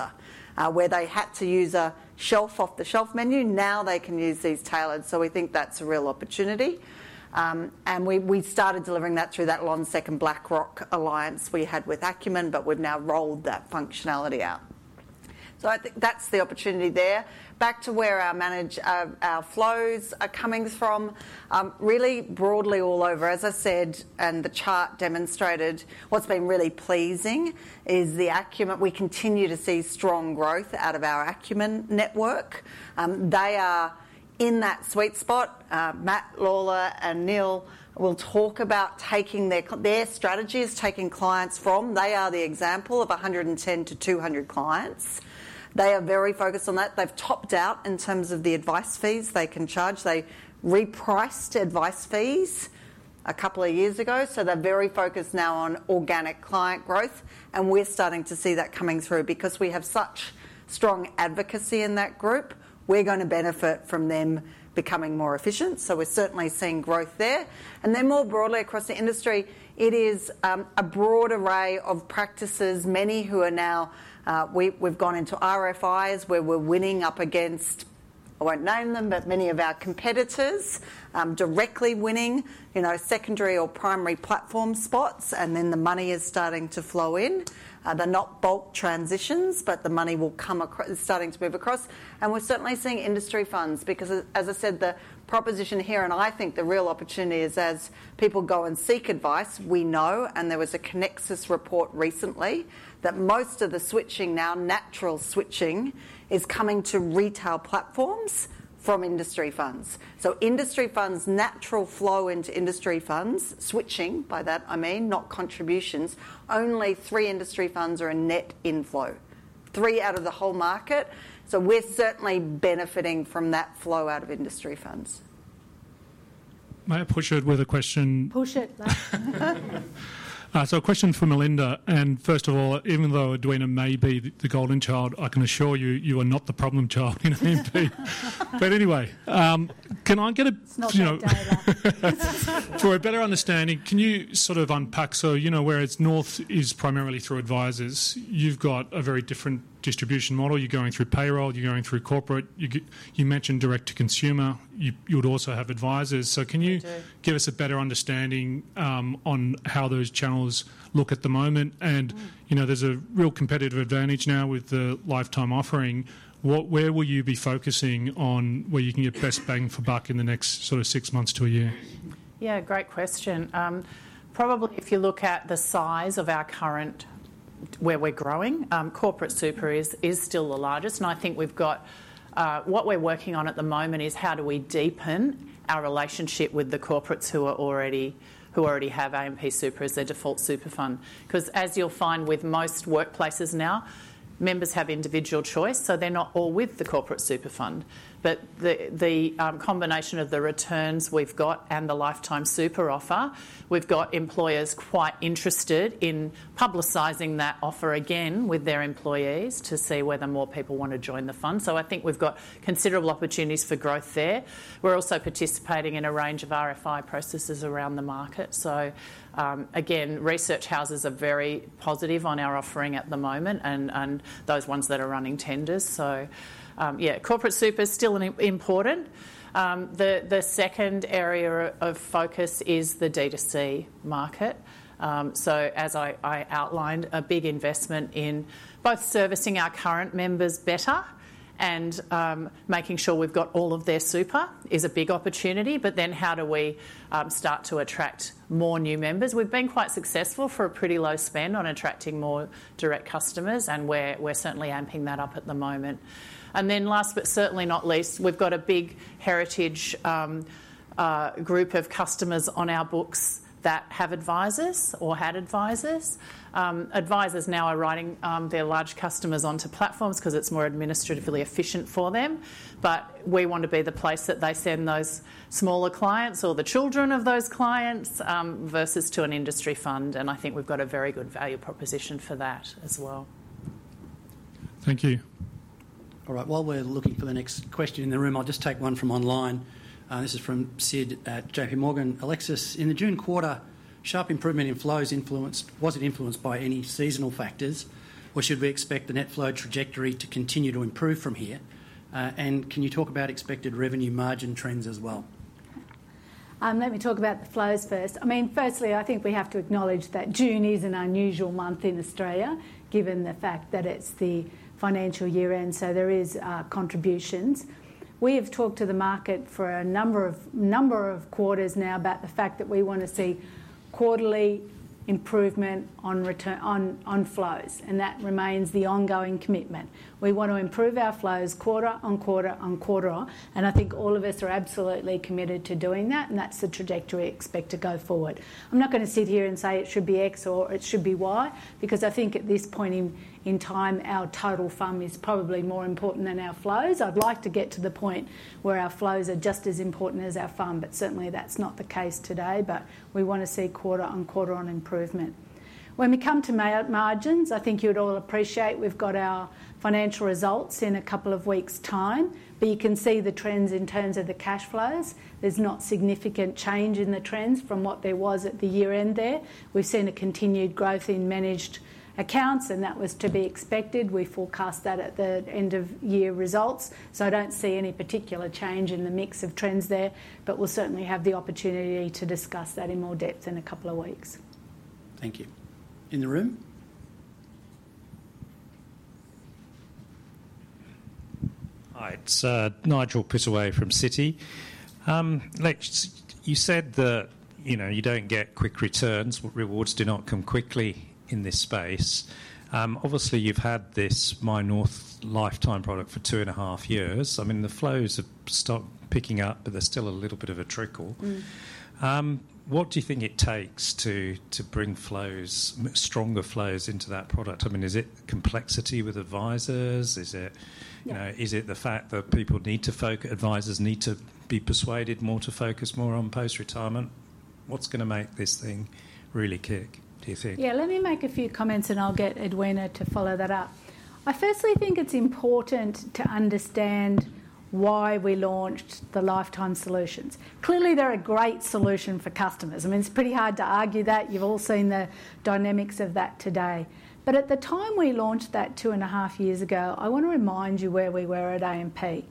Speaker 4: where they had to use an off-the-shelf menu. Now they can use these tailored. We think that's a real opportunity and we started delivering that through that Lonsec and BlackRock alliance we had with Acumen, but we've now rolled that functionality out. I think that's the opportunity there. Back to where our flows are coming from, really broadly all over as I said, and the chart demonstrated. What's been really pleasing is the Acumen. We continue to see strong growth out of our Acumen network. They are in that sweet spot. Matt Lawler and Neil will talk about taking—their strategy is taking clients from—they are the example of 110 to 200 clients. They are very focused on that. They've topped out in terms of the advice fees they can charge. They repriced advice fees a couple of years ago. They're very focused now on organic client growth and we're starting to see that coming through because we have such strong advocacy in that group. We're going to benefit from them becoming more efficient. We're certainly seeing growth there and then more broadly across the industry. It is a broad array of practices, many who are now, we've gone into RFIs where we're winning up against, I won't name them, but many of our competitors, directly winning secondary or primary platform spots, and then the money is starting to flow in. They're not bulk transitions, but the money will come across, starting to move across, and we're certainly seeing industry funds. As I said, the proposition here and I think the real opportunity is as people go and seek advice, we know, and there was a Connexus report recently, that most of the switching now, natural switching, is coming to retail platforms from industry funds. Industry funds' natural flow into industry funds switching, by that I mean not contributions, only three industry funds are a net inflow, three out of the whole market. We're certainly benefiting from that flow out of industry funds. May I push it with a question?
Speaker 2: Push it. A question for Melinda, and first of all, even though Edwina may be the golden child, I can assure you you are not the problem child in AMP. Can I get data for a better understanding? Can you sort of unpack? Whereas North is primarily through advisors, you've got a very different distribution model. You're going through payroll, you're going through corporate. You mentioned direct to consumer, you would also have advisors. Can you give us a better understanding on how those channels look at the moment? There's a real competitive advantage now with the lifetime offering. Where will you be focusing on where you can get best bang for buck in the next six months to a year?
Speaker 5: Great question.
Speaker 4: Probably.
Speaker 5: If you look at the size of our current, where we're growing, Corporate Super is still the largest. I think we've got what we're working on at the moment, which is how do we deepen our relationship with the corporates who already have AMP Super as their default super fund? As you'll find with most workplaces now, members have individual choice, so they're not all with the Corporate Super Fund. The combination of the returns we've got and the Lifetime Super offer has got employers quite interested in publicizing that offer again with their employees to see whether more people want to join the fund. I think we've got considerable opportunities for growth there. We're also participating in a range of RFI processes around the market. Research houses are very positive on our offering at the moment and those ones that are running tenders. Corporate Super is still important. The second area of focus is the D2C market. As I outlined, a big investment in both servicing our current members better and making sure we've got all of their super is a big opportunity. Then how do we start to attract more new members? We've been quite successful for a pretty low spend on attracting more direct customers and we're certainly amping that up at the moment. Last but certainly not least, we've got a big heritage group of customers on our books that have advisers or had advisers. Advisers now are writing their large customers onto platforms because it's more administratively efficient for them. We want to be the place that they send those smaller clients or the children of those clients versus to an industry fund. I think we've got a very good value proposition for that as well. Thank you.
Speaker 1: All right, while we're looking for the next question in the room, I'll just take one from online. This is from Sid at J.P. Morgan. Alexis, in the June quarter, sharp improvement in flows, was it influenced by any seasonal factors or should we expect the net flow trajectory to continue to improve from here? Can you talk about expected revenue margin trends as well?
Speaker 2: Let me talk about the flows first. Firstly, I think we have to acknowledge that June is an unusual month in Australia given the fact that it's the financial year end. There are contributions. We have talked to the market for a number of quarters now about the fact that we want to see quarterly improvement on flows. That remains the ongoing commitment. We want to improve our flows quarter on quarter on quarter. I think all of us are absolutely committed to doing that. That's the trajectory we expect to go forward. I'm not going to sit here and say it should be X or it should be Y because I think at this point in time our total funds under administration is probably more important than our flows. I'd like to get to the point where our flows are just as important as our funds under administration, but certainly that's not the case today. We want to see quarter on quarter improvement. When we come to margins, I think you'd all appreciate we've got our financial results in a couple of weeks' time, but you can see the trends in terms of the cash flows. There's not significant change in the trends from what there was at the year end. We've seen a continued growth in managed portfolios and that was to be expected. We forecast that at the end of year results. I don't see any particular change in the mix of trends there, but we'll certainly have the opportunity to discuss that in more depth in a couple of weeks.
Speaker 1: Thank you. In the room. Hi, it's Nigel Pittaway from Citi. You said that you know, you don't get quick returns. Rewards do not come quickly in this space. Obviously you've had this MyNorth Lifetime product for two and a half years. I mean the flows have stopped picking up, but there's still a little bit of a trickle. What do you think it takes to bring stronger flows into that product? I mean, is it complexity with advisors? Is it the fact that people need to focus, advisors need to be persuaded more to focus more on post-retirement? What's going to make this thing really kick, do you think?
Speaker 2: Yeah, let me make a few comments and I'll get Edwina to follow that up. I firstly think it's important to understand why we launched the Lifetime Solutions. Clearly they're a great solution for customers. I mean, it's pretty hard to argue that you've all seen the dynamics of that today. At the time we launched that two and a half years ago, I want to remind you where we were at AMP.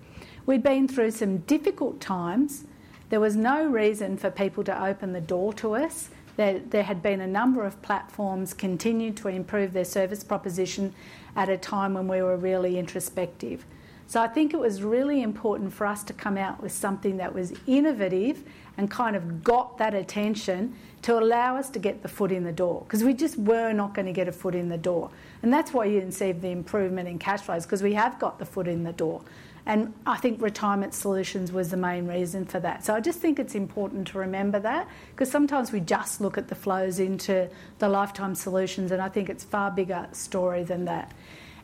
Speaker 2: We'd been through some difficult times. There was no reason for people to open the door to us. There had been a number of platforms that continued to improve their service proposition at a time when we were really introspective. I think it was really important for us to come out with something that was innovative and kind of got that attention to allow us to get the foot in the door because we just were not going to get a foot in the door. That's why you see the improvement in cash flows, because we have got the foot in the door. I think retirement solutions was the main reason for that. I just think it's important to remember that because sometimes we just look at the flows into the Lifetime Solutions and I think it's a far bigger story than that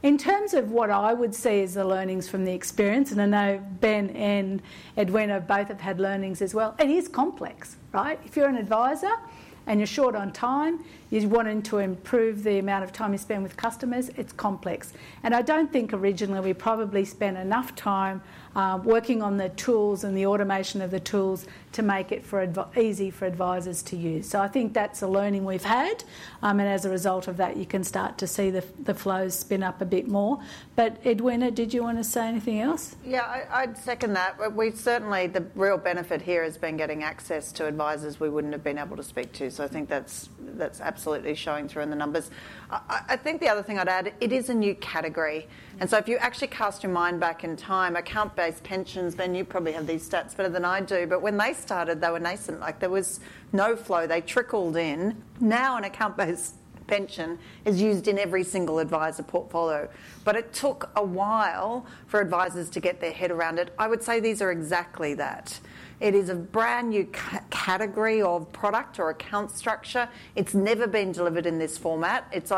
Speaker 2: in terms of what I would see as the learnings from the experience, and I know Ben and Edwina both have had learnings as well. It is complex.
Speaker 5: Right.
Speaker 2: If you're an advisor and you're short on time, you want to improve the amount of time you spend with customers. It's complex, and I don't think originally we probably spent enough time working on the tools and the automation of the tools to make it easy for advisers to use. I think that's a learning we've had, and as a result of that you can start to see the flows spin up a bit more. Edwina, did you want to say anything else?
Speaker 4: Yeah, I'd second that. Certainly, the real benefit here has been getting access to advisors we wouldn't have been able to speak to. I think that's absolutely showing through in the numbers. The other thing I'd add is it is a new category, and if you actually cast your mind back in time, account-based pensions, Ben, you probably have these stats better than I do, but when they started, they were nascent, like there was no flow. They trickled in. Now an account-based pension is used in every single advisor portfolio, but it took a while for advisors to get their head around it. I would say these are exactly that. It is a brand new category of product or account structure. It's never been delivered in this format. You'd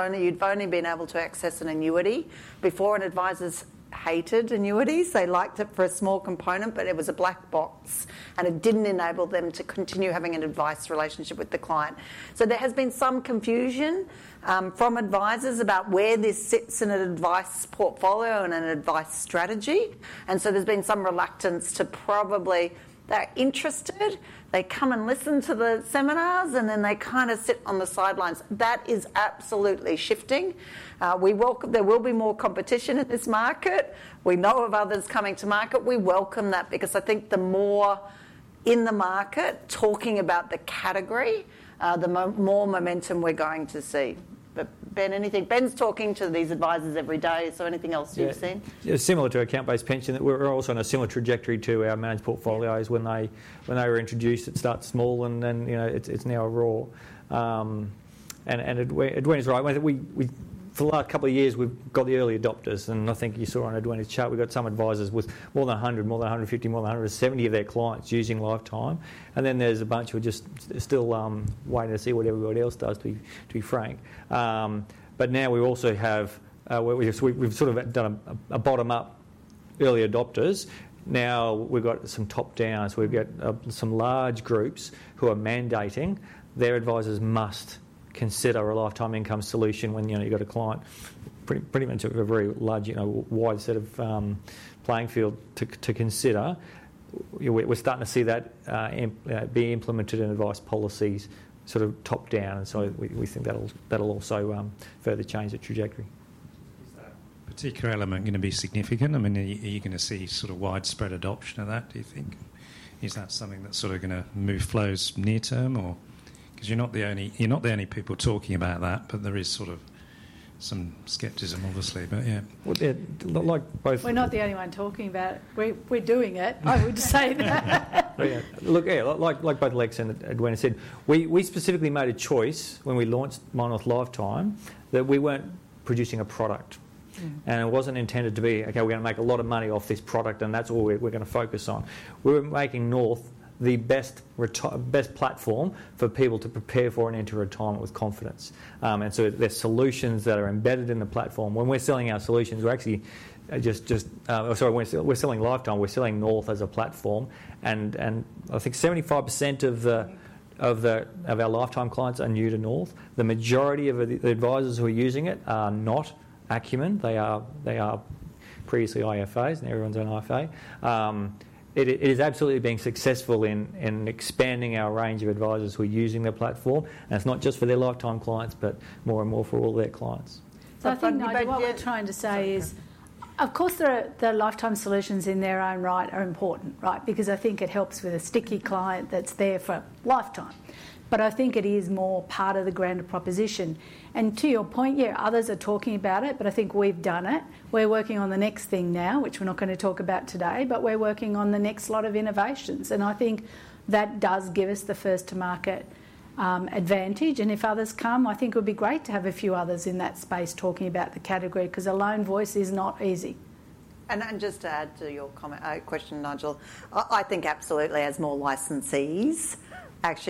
Speaker 4: only been able to access an annuity before. Advisors hated annuities. They liked it for a small component, but it was a black box, and it didn't enable them to continue having an advice relationship with the client. There has been some confusion from advisors about where this sits in an advice portfolio and an advice strategy. There's been some reluctance to probably that interest. They come and listen to the seminars, and then they kind of sit on the sidelines. That is absolutely shifting. There will be more competition in this market. We know of others coming to market. We welcome that because I think the more in the market talking about the category, the more momentum we're going to see. Ben, anything. Ben's talking to these advisors every day.
Speaker 3: Anything else you've seen similar to account-based pensions? We're also on a similar trajectory to our managed portfolios when they were introduced. It starts small and then it's now raw. Edwina's right. For the last couple of years we've got the early adopters and I think you saw on Edwina's chart, we've got some advisors with more than 100, more than 150, more than 170 of their clients using Lifetime, and then there's a bunch who are just still waiting to see what everybody else does, to be frank. Now we also have, we've sort of done a bottom-up early adopters. Now we've got some top-downs, we've got some large groups who are mandating their advisors must consider a lifetime income solution. When you've got a client, pretty much a very large wide set of playing field to consider. We're starting to see that be implemented and advised policies sort of top-down. We think that'll also further change the trajectory. Is that particular element going to be significant? I mean, are you going to see sort of widespread adoption of that, do you think? Is that something that's sort of going to move flows near term, or because you're not the only people talking about that, there is sort of some skepticism, obviously.
Speaker 2: We're not the only one talking about it. We're doing it. We're doing.
Speaker 3: Like both Alexis and Edwina said, we specifically made a choice when we launched MyNorth Lifetime that we weren't producing a product and it wasn't intended to be, okay, we're going to make a lot of money off this product and that's all we're going to focus on. We were making North the best platform for people to prepare for and enter retirement with confidence. There are solutions that are embedded in the platform. When we're selling our solutions, we're actually just—sorry, we're selling Lifetime, we're selling North as a platform, and I think 75% of our Lifetime clients are new to North. The majority of the advisors who are using it are not acumen, they are previously IFAs and everyone's own IFA. It is absolutely being successful in expanding our range of advisors who are using the platform, and it's not just for their Lifetime clients, but more and more for all their clients.
Speaker 2: What you're trying to say is of course the Lifetime Solutions in their own right are important, right? I think it helps with a sticky client that's there for a lifetime. I think it is more part of the grander proposition. To your point, others are talking about it, but I think we've done it. We're working on the next thing now, which we're not going to talk about today, but we're working on the next lot of innovations and I think that does give us the first to market advantage. If others come, I think it would be great to have a few others in that space talking about the category because a lone voice is not easy.
Speaker 4: To add to your question, Nigel, I think absolutely, as more licensees actually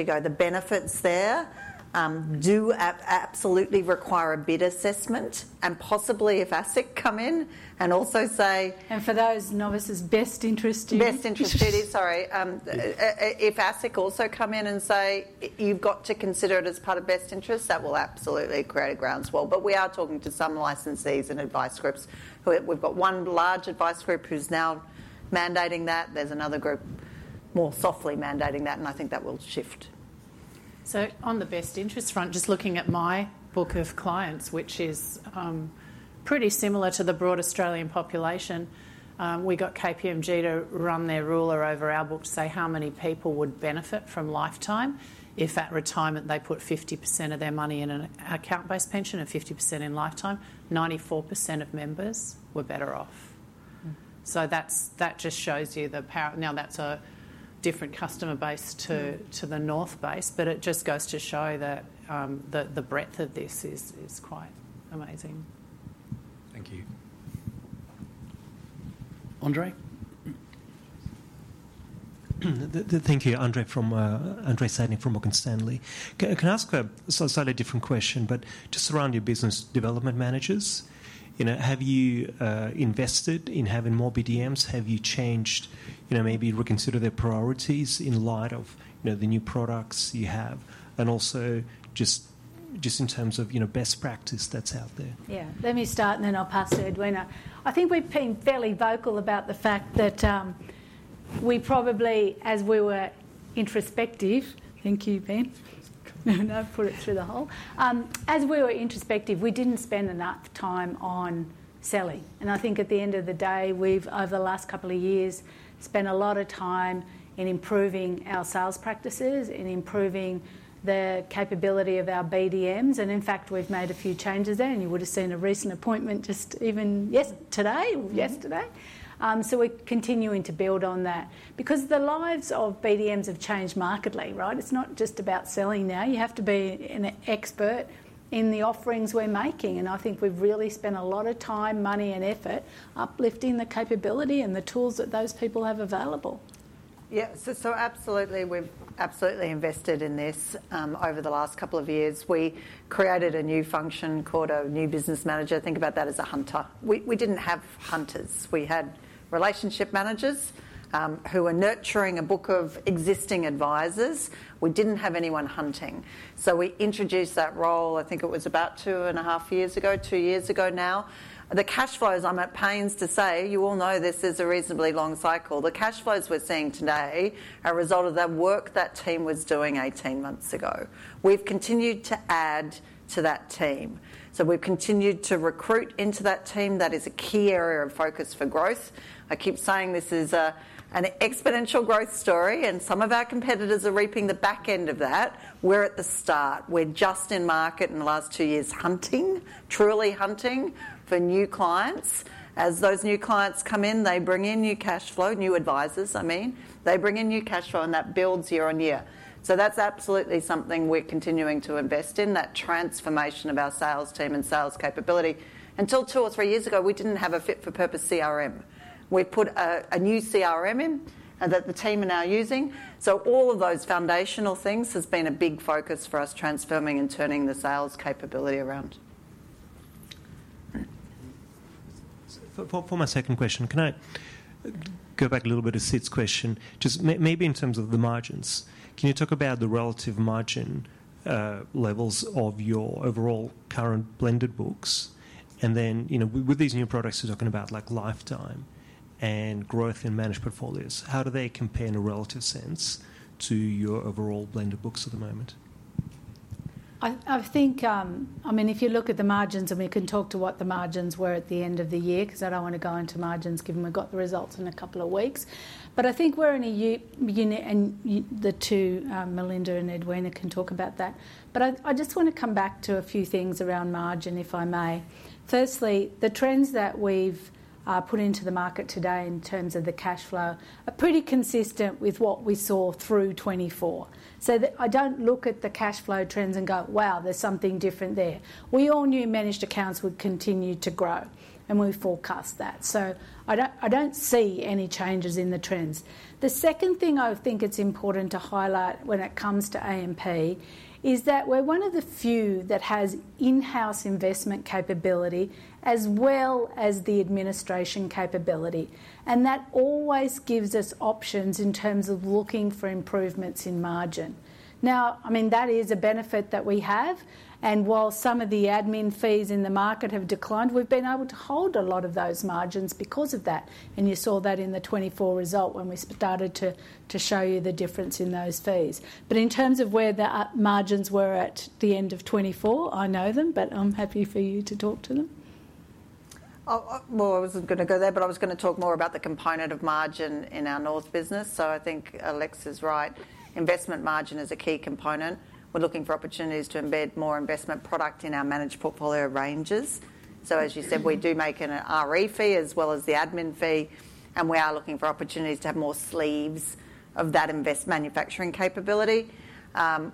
Speaker 4: go, the benefits there do absolutely require a bid assessment and possibly if ASIC come in and also say.
Speaker 2: For those novices, best interest duties.
Speaker 4: Best interest duties, sorry, if ASIC also come in and say you've got to consider it as part of best interest, that will absolutely create a groundswell. We are talking to some licensees and advice groups. We've got one large advice group who's now mandating that. There's another group more softly mandating that, and I think that will shift.
Speaker 5: On the best interest front, just looking at my book of clients, which is pretty similar to the broad Australian population, we got KPMG to run their ruler over our book to say how many people would benefit from Lifetime if at retirement they put 50% of their money in an account-based pension and 50% in Lifetime, 94% of members were better off. That just shows you the power. That is a different customer base to the North, but it just goes to show that the breadth of this is quite amazing. Thank you.
Speaker 1: Andre. Thank you. Andre Satnik from Morgan Stanley. Can I ask a slightly different question, just around your business development managers? Have you invested in having more BDMs? Have you changed, you know, maybe reconsidered their priorities in light of, you know, the new products you have and also just in terms of, you know, best practice that's out there.
Speaker 2: Yeah. Let me start and then I'll pass to Edwina. I think we've been fairly vocal about the fact that we probably, as we were introspective. Thank you, Ben. Put it through the hole. As we were introspective, we didn't spend enough time on selling. I think at the end of the day we've over the last couple of years spent a lot of time in improving our sales practices, in improving the capability of our BDMs. In fact, we've made a few changes there. You would have seen a recent appointment just even. Yes, today, yesterday. We're continuing to build on that because the lives of BDMs have changed markedly.
Speaker 5: Right.
Speaker 2: It's not just about selling now. You have to be an expert in the offerings we're making. I think we've really spent a lot of time, money, and effort uplifting the capability and the tools that those people have available.
Speaker 4: Yes. Absolutely, we've absolutely invested in this over the last couple of years. We created a new function called a new business manager. Think about that as a hunter. We didn't have hunters. We had relationship managers who were nurturing and booking of existing advisors. We didn't have anyone hunting, so we introduced that role. I think it was about two and a half years ago, two years ago. Now the cash flows, I'm at pains to say, you all know this is a reasonably long cycle. The cash flows we're seeing today are a result of that work that team was doing 18 months ago. We've continued to add to that team, so we've continued to recruit into that team. That is a key area of focus for growth. I keep saying this is an exponential growth story and some of our competitors are reaping the back end of that. We're at the start, we're just in market in the last two years hunting, truly hunting for new clients. As those new clients come in, they bring in new cash flow, new advisors, I mean they bring in new cash flow and that builds year on year. That's absolutely something we're continuing to invest in, that transformation of our sales team and sales capability. Until two or three years ago, we didn't have a fit-for-purpose CRM. We put a new CRM in that the team are now using. All of those foundational things have been a big focus for us, transforming and turning the sales capability around. For my second question, can I go back a little bit to Sid's question? Just maybe in terms of the margins, can you talk about the relative margin levels of your overall current blended books and then with these new.
Speaker 3: Products we're talking about like Lifetime Super and. Growth in managed portfolios, how do they compare in a relative sense to your overall blended books at the moment?
Speaker 2: I think if you look at the margins, and we can talk to what the margins were at the end of the year because I don't want to go into margins given we've got the results in a couple of weeks.
Speaker 5: Weeks.
Speaker 2: I think we're in a unit and Melinda and Edwina can talk about that. I just want to come back to a few things around margin, if I may. Firstly, the trends that we've put into the market today in terms of the cash flow are pretty consistent with what we saw through 2024. I don't look at the cash flow trends and go, wow, there's something different there. We all knew managed accounts would continue to grow and we forecast that. I don't see any changes in the trends. The second thing I think it's important to highlight when it comes to AMP is that we're one of the few that has in-house investment capability as well as the administration capability, and that always gives us options in terms of looking for improvements in margin. I mean that is a benefit that we have. While some of the admin fees in the market have declined, we've been able to hold a lot of those margins because of that. You saw that in the 2024 result when we started to show you the difference in those fees. In terms of where the margins were at the end of 2024, I know them but I'm happy for you to talk to them.
Speaker 4: I wasn't going to go there, but I was going to talk more about the component of margin in our North business. I think Alexis is right. Investment margin is a key component. We're looking for opportunities to embed more investment product in our managed portfolio ranges. As you said, we do make an RFE as well as the admin fee, and we are looking for opportunities to have more sleeves of that invest manufacturing capability.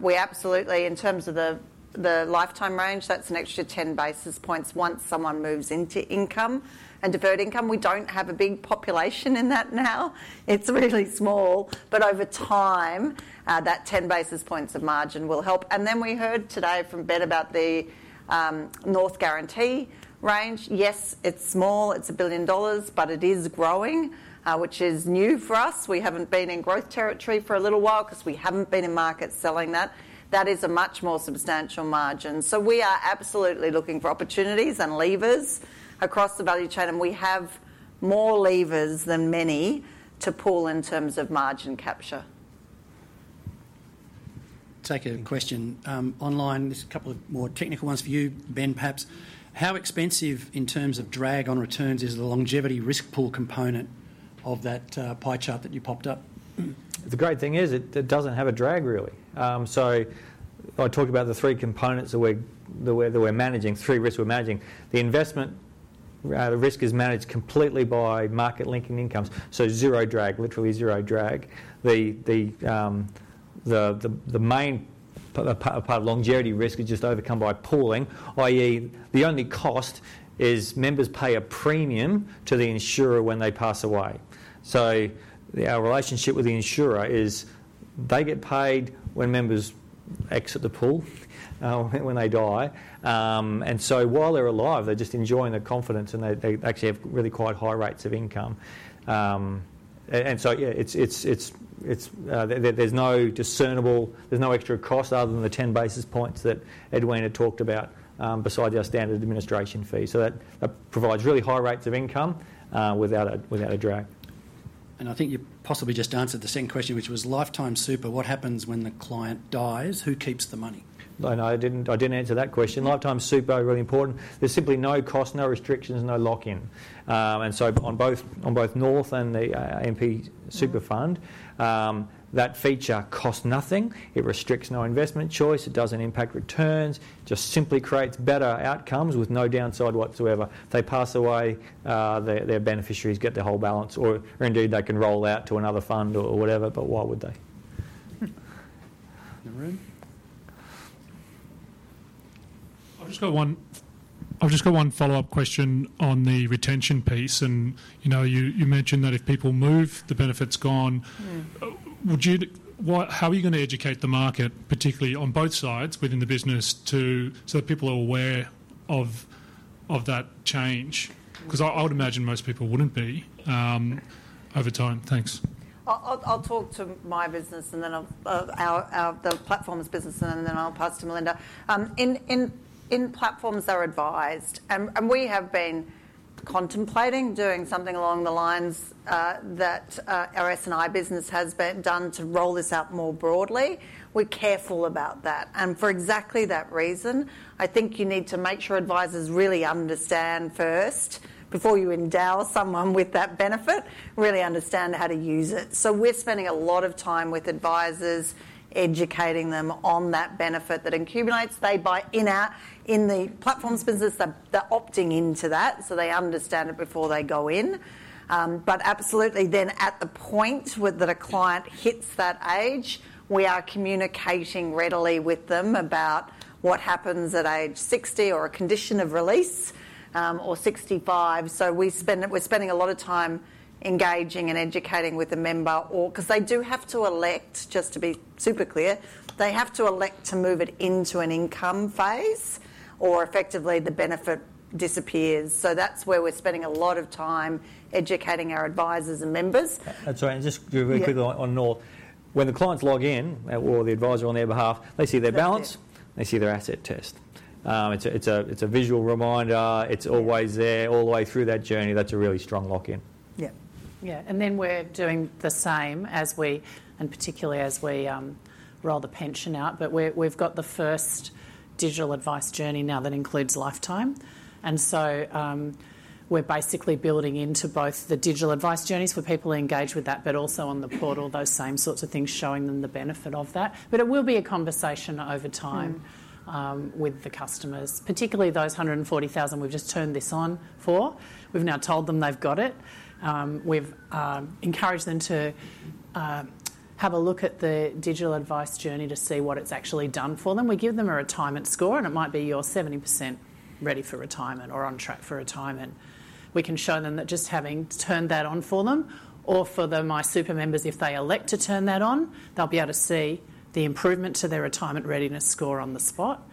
Speaker 4: We absolutely, in terms of the lifetime range, that's an extra 10 bps once someone moves into income and divert income. We don't have a big population in that now. It's really small, but over time that 10 bps of margin will help. We heard today from Ben about the North Guarantee range. Yes, it's small, it's $1 billion, but it is growing, which is new for us. We haven't been in growth territory for a little while because we haven't been in market selling that. That is a much more substantial margin. We are absolutely looking for opportunities and levers across the value chain, and we have more levers than many to pull in terms of margin capture.
Speaker 1: Take a question online. There's a couple of more technical ones for you, Ben. Perhaps how expensive in terms of drag on returns is the longevity risk pool component of that pie chart that you popped up?
Speaker 3: The great thing is it doesn't have a drag really. I talked about the three components that we're managing, three risks. We're managing the investment risk, which is managed completely by market linking incomes, so zero drag, literally zero drag. The main part of longevity risk is just overcome by pooling. The only cost is members pay a premium to the insurer when they pass away. Our relationship with the insurer is they get paid when members exit the pool when they die. While they're alive, they're just enjoying the confidence and they actually have really quite high rates of income. There's no discernible, no extra cost other than the 10 bps that Edwina talked about besides our standard administration fee. That provides really high rates of income without a drag.
Speaker 1: I think you possibly just answered the second question, which was Lifetime Super. What happens when the client dies? Who keeps the money?
Speaker 3: I didn't answer that question. Lifetime Super. Really important. There's simply no cost, no restrictions, no lock-in on both North and the AMP Super fund. That feature costs nothing. It restricts no investment choice, it doesn't impact returns, just simply creates better outcomes with no downside whatsoever. If they pass away, their beneficiaries get their whole balance or indeed they can roll out to another fund or whatever. Why would they? I've just got one follow-up question on the retention piece, and you mentioned that if people move, the benefit's gone. How are you going to educate the market? Particularly on both sides within the business, so that people are aware of that change, because I would imagine most people wouldn't be over time. Thanks.
Speaker 4: I'll talk to my business and then the platforms business and then I'll pass to Melinda. In platforms, they're advised and we have been contemplating doing something along the lines that our S&I business has been done to roll this out more broadly. We're careful about that, and for exactly that reason, I think you need to make sure advisors really understand first before you endow someone with that benefit, really understand how to use it. We're spending a lot of time with advisors educating them on that benefit that incubulates they buy in out. In the platforms business, they're opting into that so they understand about before they go in. Absolutely, at the point that a client hits that age, we are communicating readily with them about what happens at age 60 or a condition of release or 65. We're spending a lot of time engaging and educating with a member because they do have to elect, just to be super clear, they have to elect to move it into an income phase or effectively the benefit disappears. That's where we're spending a lot of time, educating our advisors and members.
Speaker 3: That's right. Just really quickly on North, when the clients log in or the advisor on their behalf, they see their balance, they see their asset test. It's a visual reminder. It's always there all the way through that journey. That's a really strong lock in.
Speaker 4: Yeah.
Speaker 5: We're doing the same as we roll the pension out. We've got the first digital advice journey now that includes lifetime, and so we're basically building into both the digital advice journeys for people engaged with that, but also on the portal, those same sorts of things, showing them the benefit of that. It will be a conversation over time with the customers, particularly those 140,000 we've just turned this on for. We've now told them they've got it. We've encouraged them to have a look at the digital advice journey to see what it's actually done for them. We give them a retirement score, and it might be you're 70% ready for retirement or on track for retirement. We can show them that just having turned that on for them, or for the MySuper members, if they elect to turn that on, they'll be able to see the improvement to their retirement readiness score on the spot.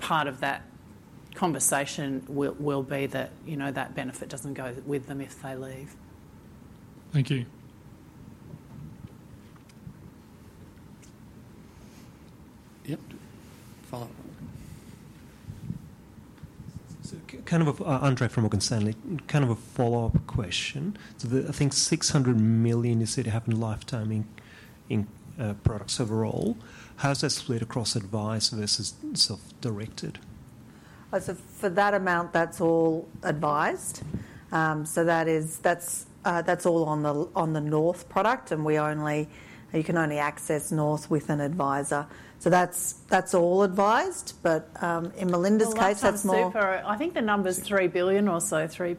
Speaker 5: Part of that conversation will be that that benefit doesn't go with them if they leave. Thank you.
Speaker 1: Yep. Follow up. Andre from Morgan Stanley, kind of a follow up question. I think $600 million, you said you have lifetime products overall. How does that split across advised versus.
Speaker 4: Self directed for that amount, that's all advised. That's all on the North Platform, and you can only access North with an advisor. That's all advised. In Melinda's case, that's more.
Speaker 5: I think the number's $3 billion or so, $3 billion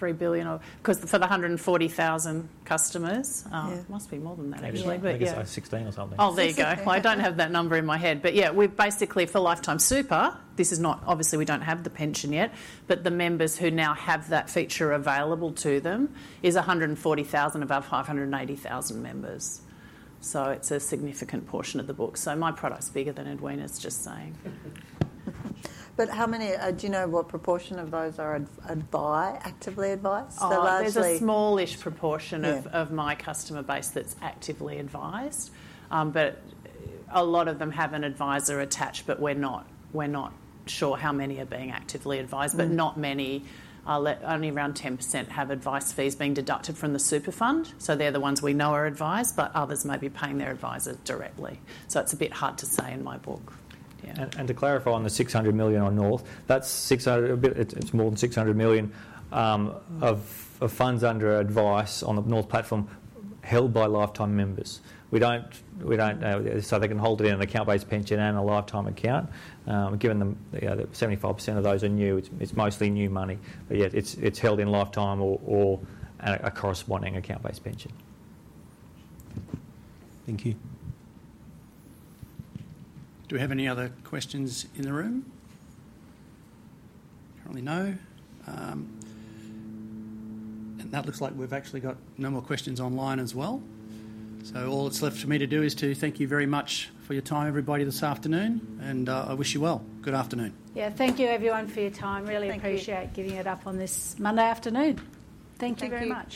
Speaker 5: because for the 140,000 customers.
Speaker 3: Must be more than that, actually 16 or something.
Speaker 5: Oh, there you go. I don't have that number in my head. Yeah, we basically for Lifetime Super, this is not, obviously we don't have the pension yet, but the members who now have that feature available to them is 140,000 of our 580,000 members. It's a significant portion of the book. My product's bigger than Edwina's. Just saying.
Speaker 4: How many do you know? What proportion of those are Advantage Advise, actively advise?
Speaker 5: There's a smallish proportion of my customer base that's actively advised, but a lot of them have an advisor attached. We're not sure how many are being actively advised. Not many. Only around 10% have advice fees being deducted from the super fund. They're the ones we know are advised, but others may be paying their advisor directly. It's a bit hard to say in my book.
Speaker 3: To clarify on the $600 million on North, that's $600 million. It's more than $600 million of funds under advice on the North Platform held by lifetime members. They can hold it in an account-based pension and a lifetime account, given 75% of those are new. It's mostly new money, but yet it's held in lifetime or a corresponding account-based pension. Thank you.
Speaker 1: Do we have any other questions in the room? Currently, no. That looks like we've actually got no more questions online as well. All that's left for me to do is to thank you very much for your time everybody this afternoon, and I wish you well. Good afternoon.
Speaker 2: Thank you everyone for your time. Really appreciate giving it up on this Monday afternoon. Thank you very much.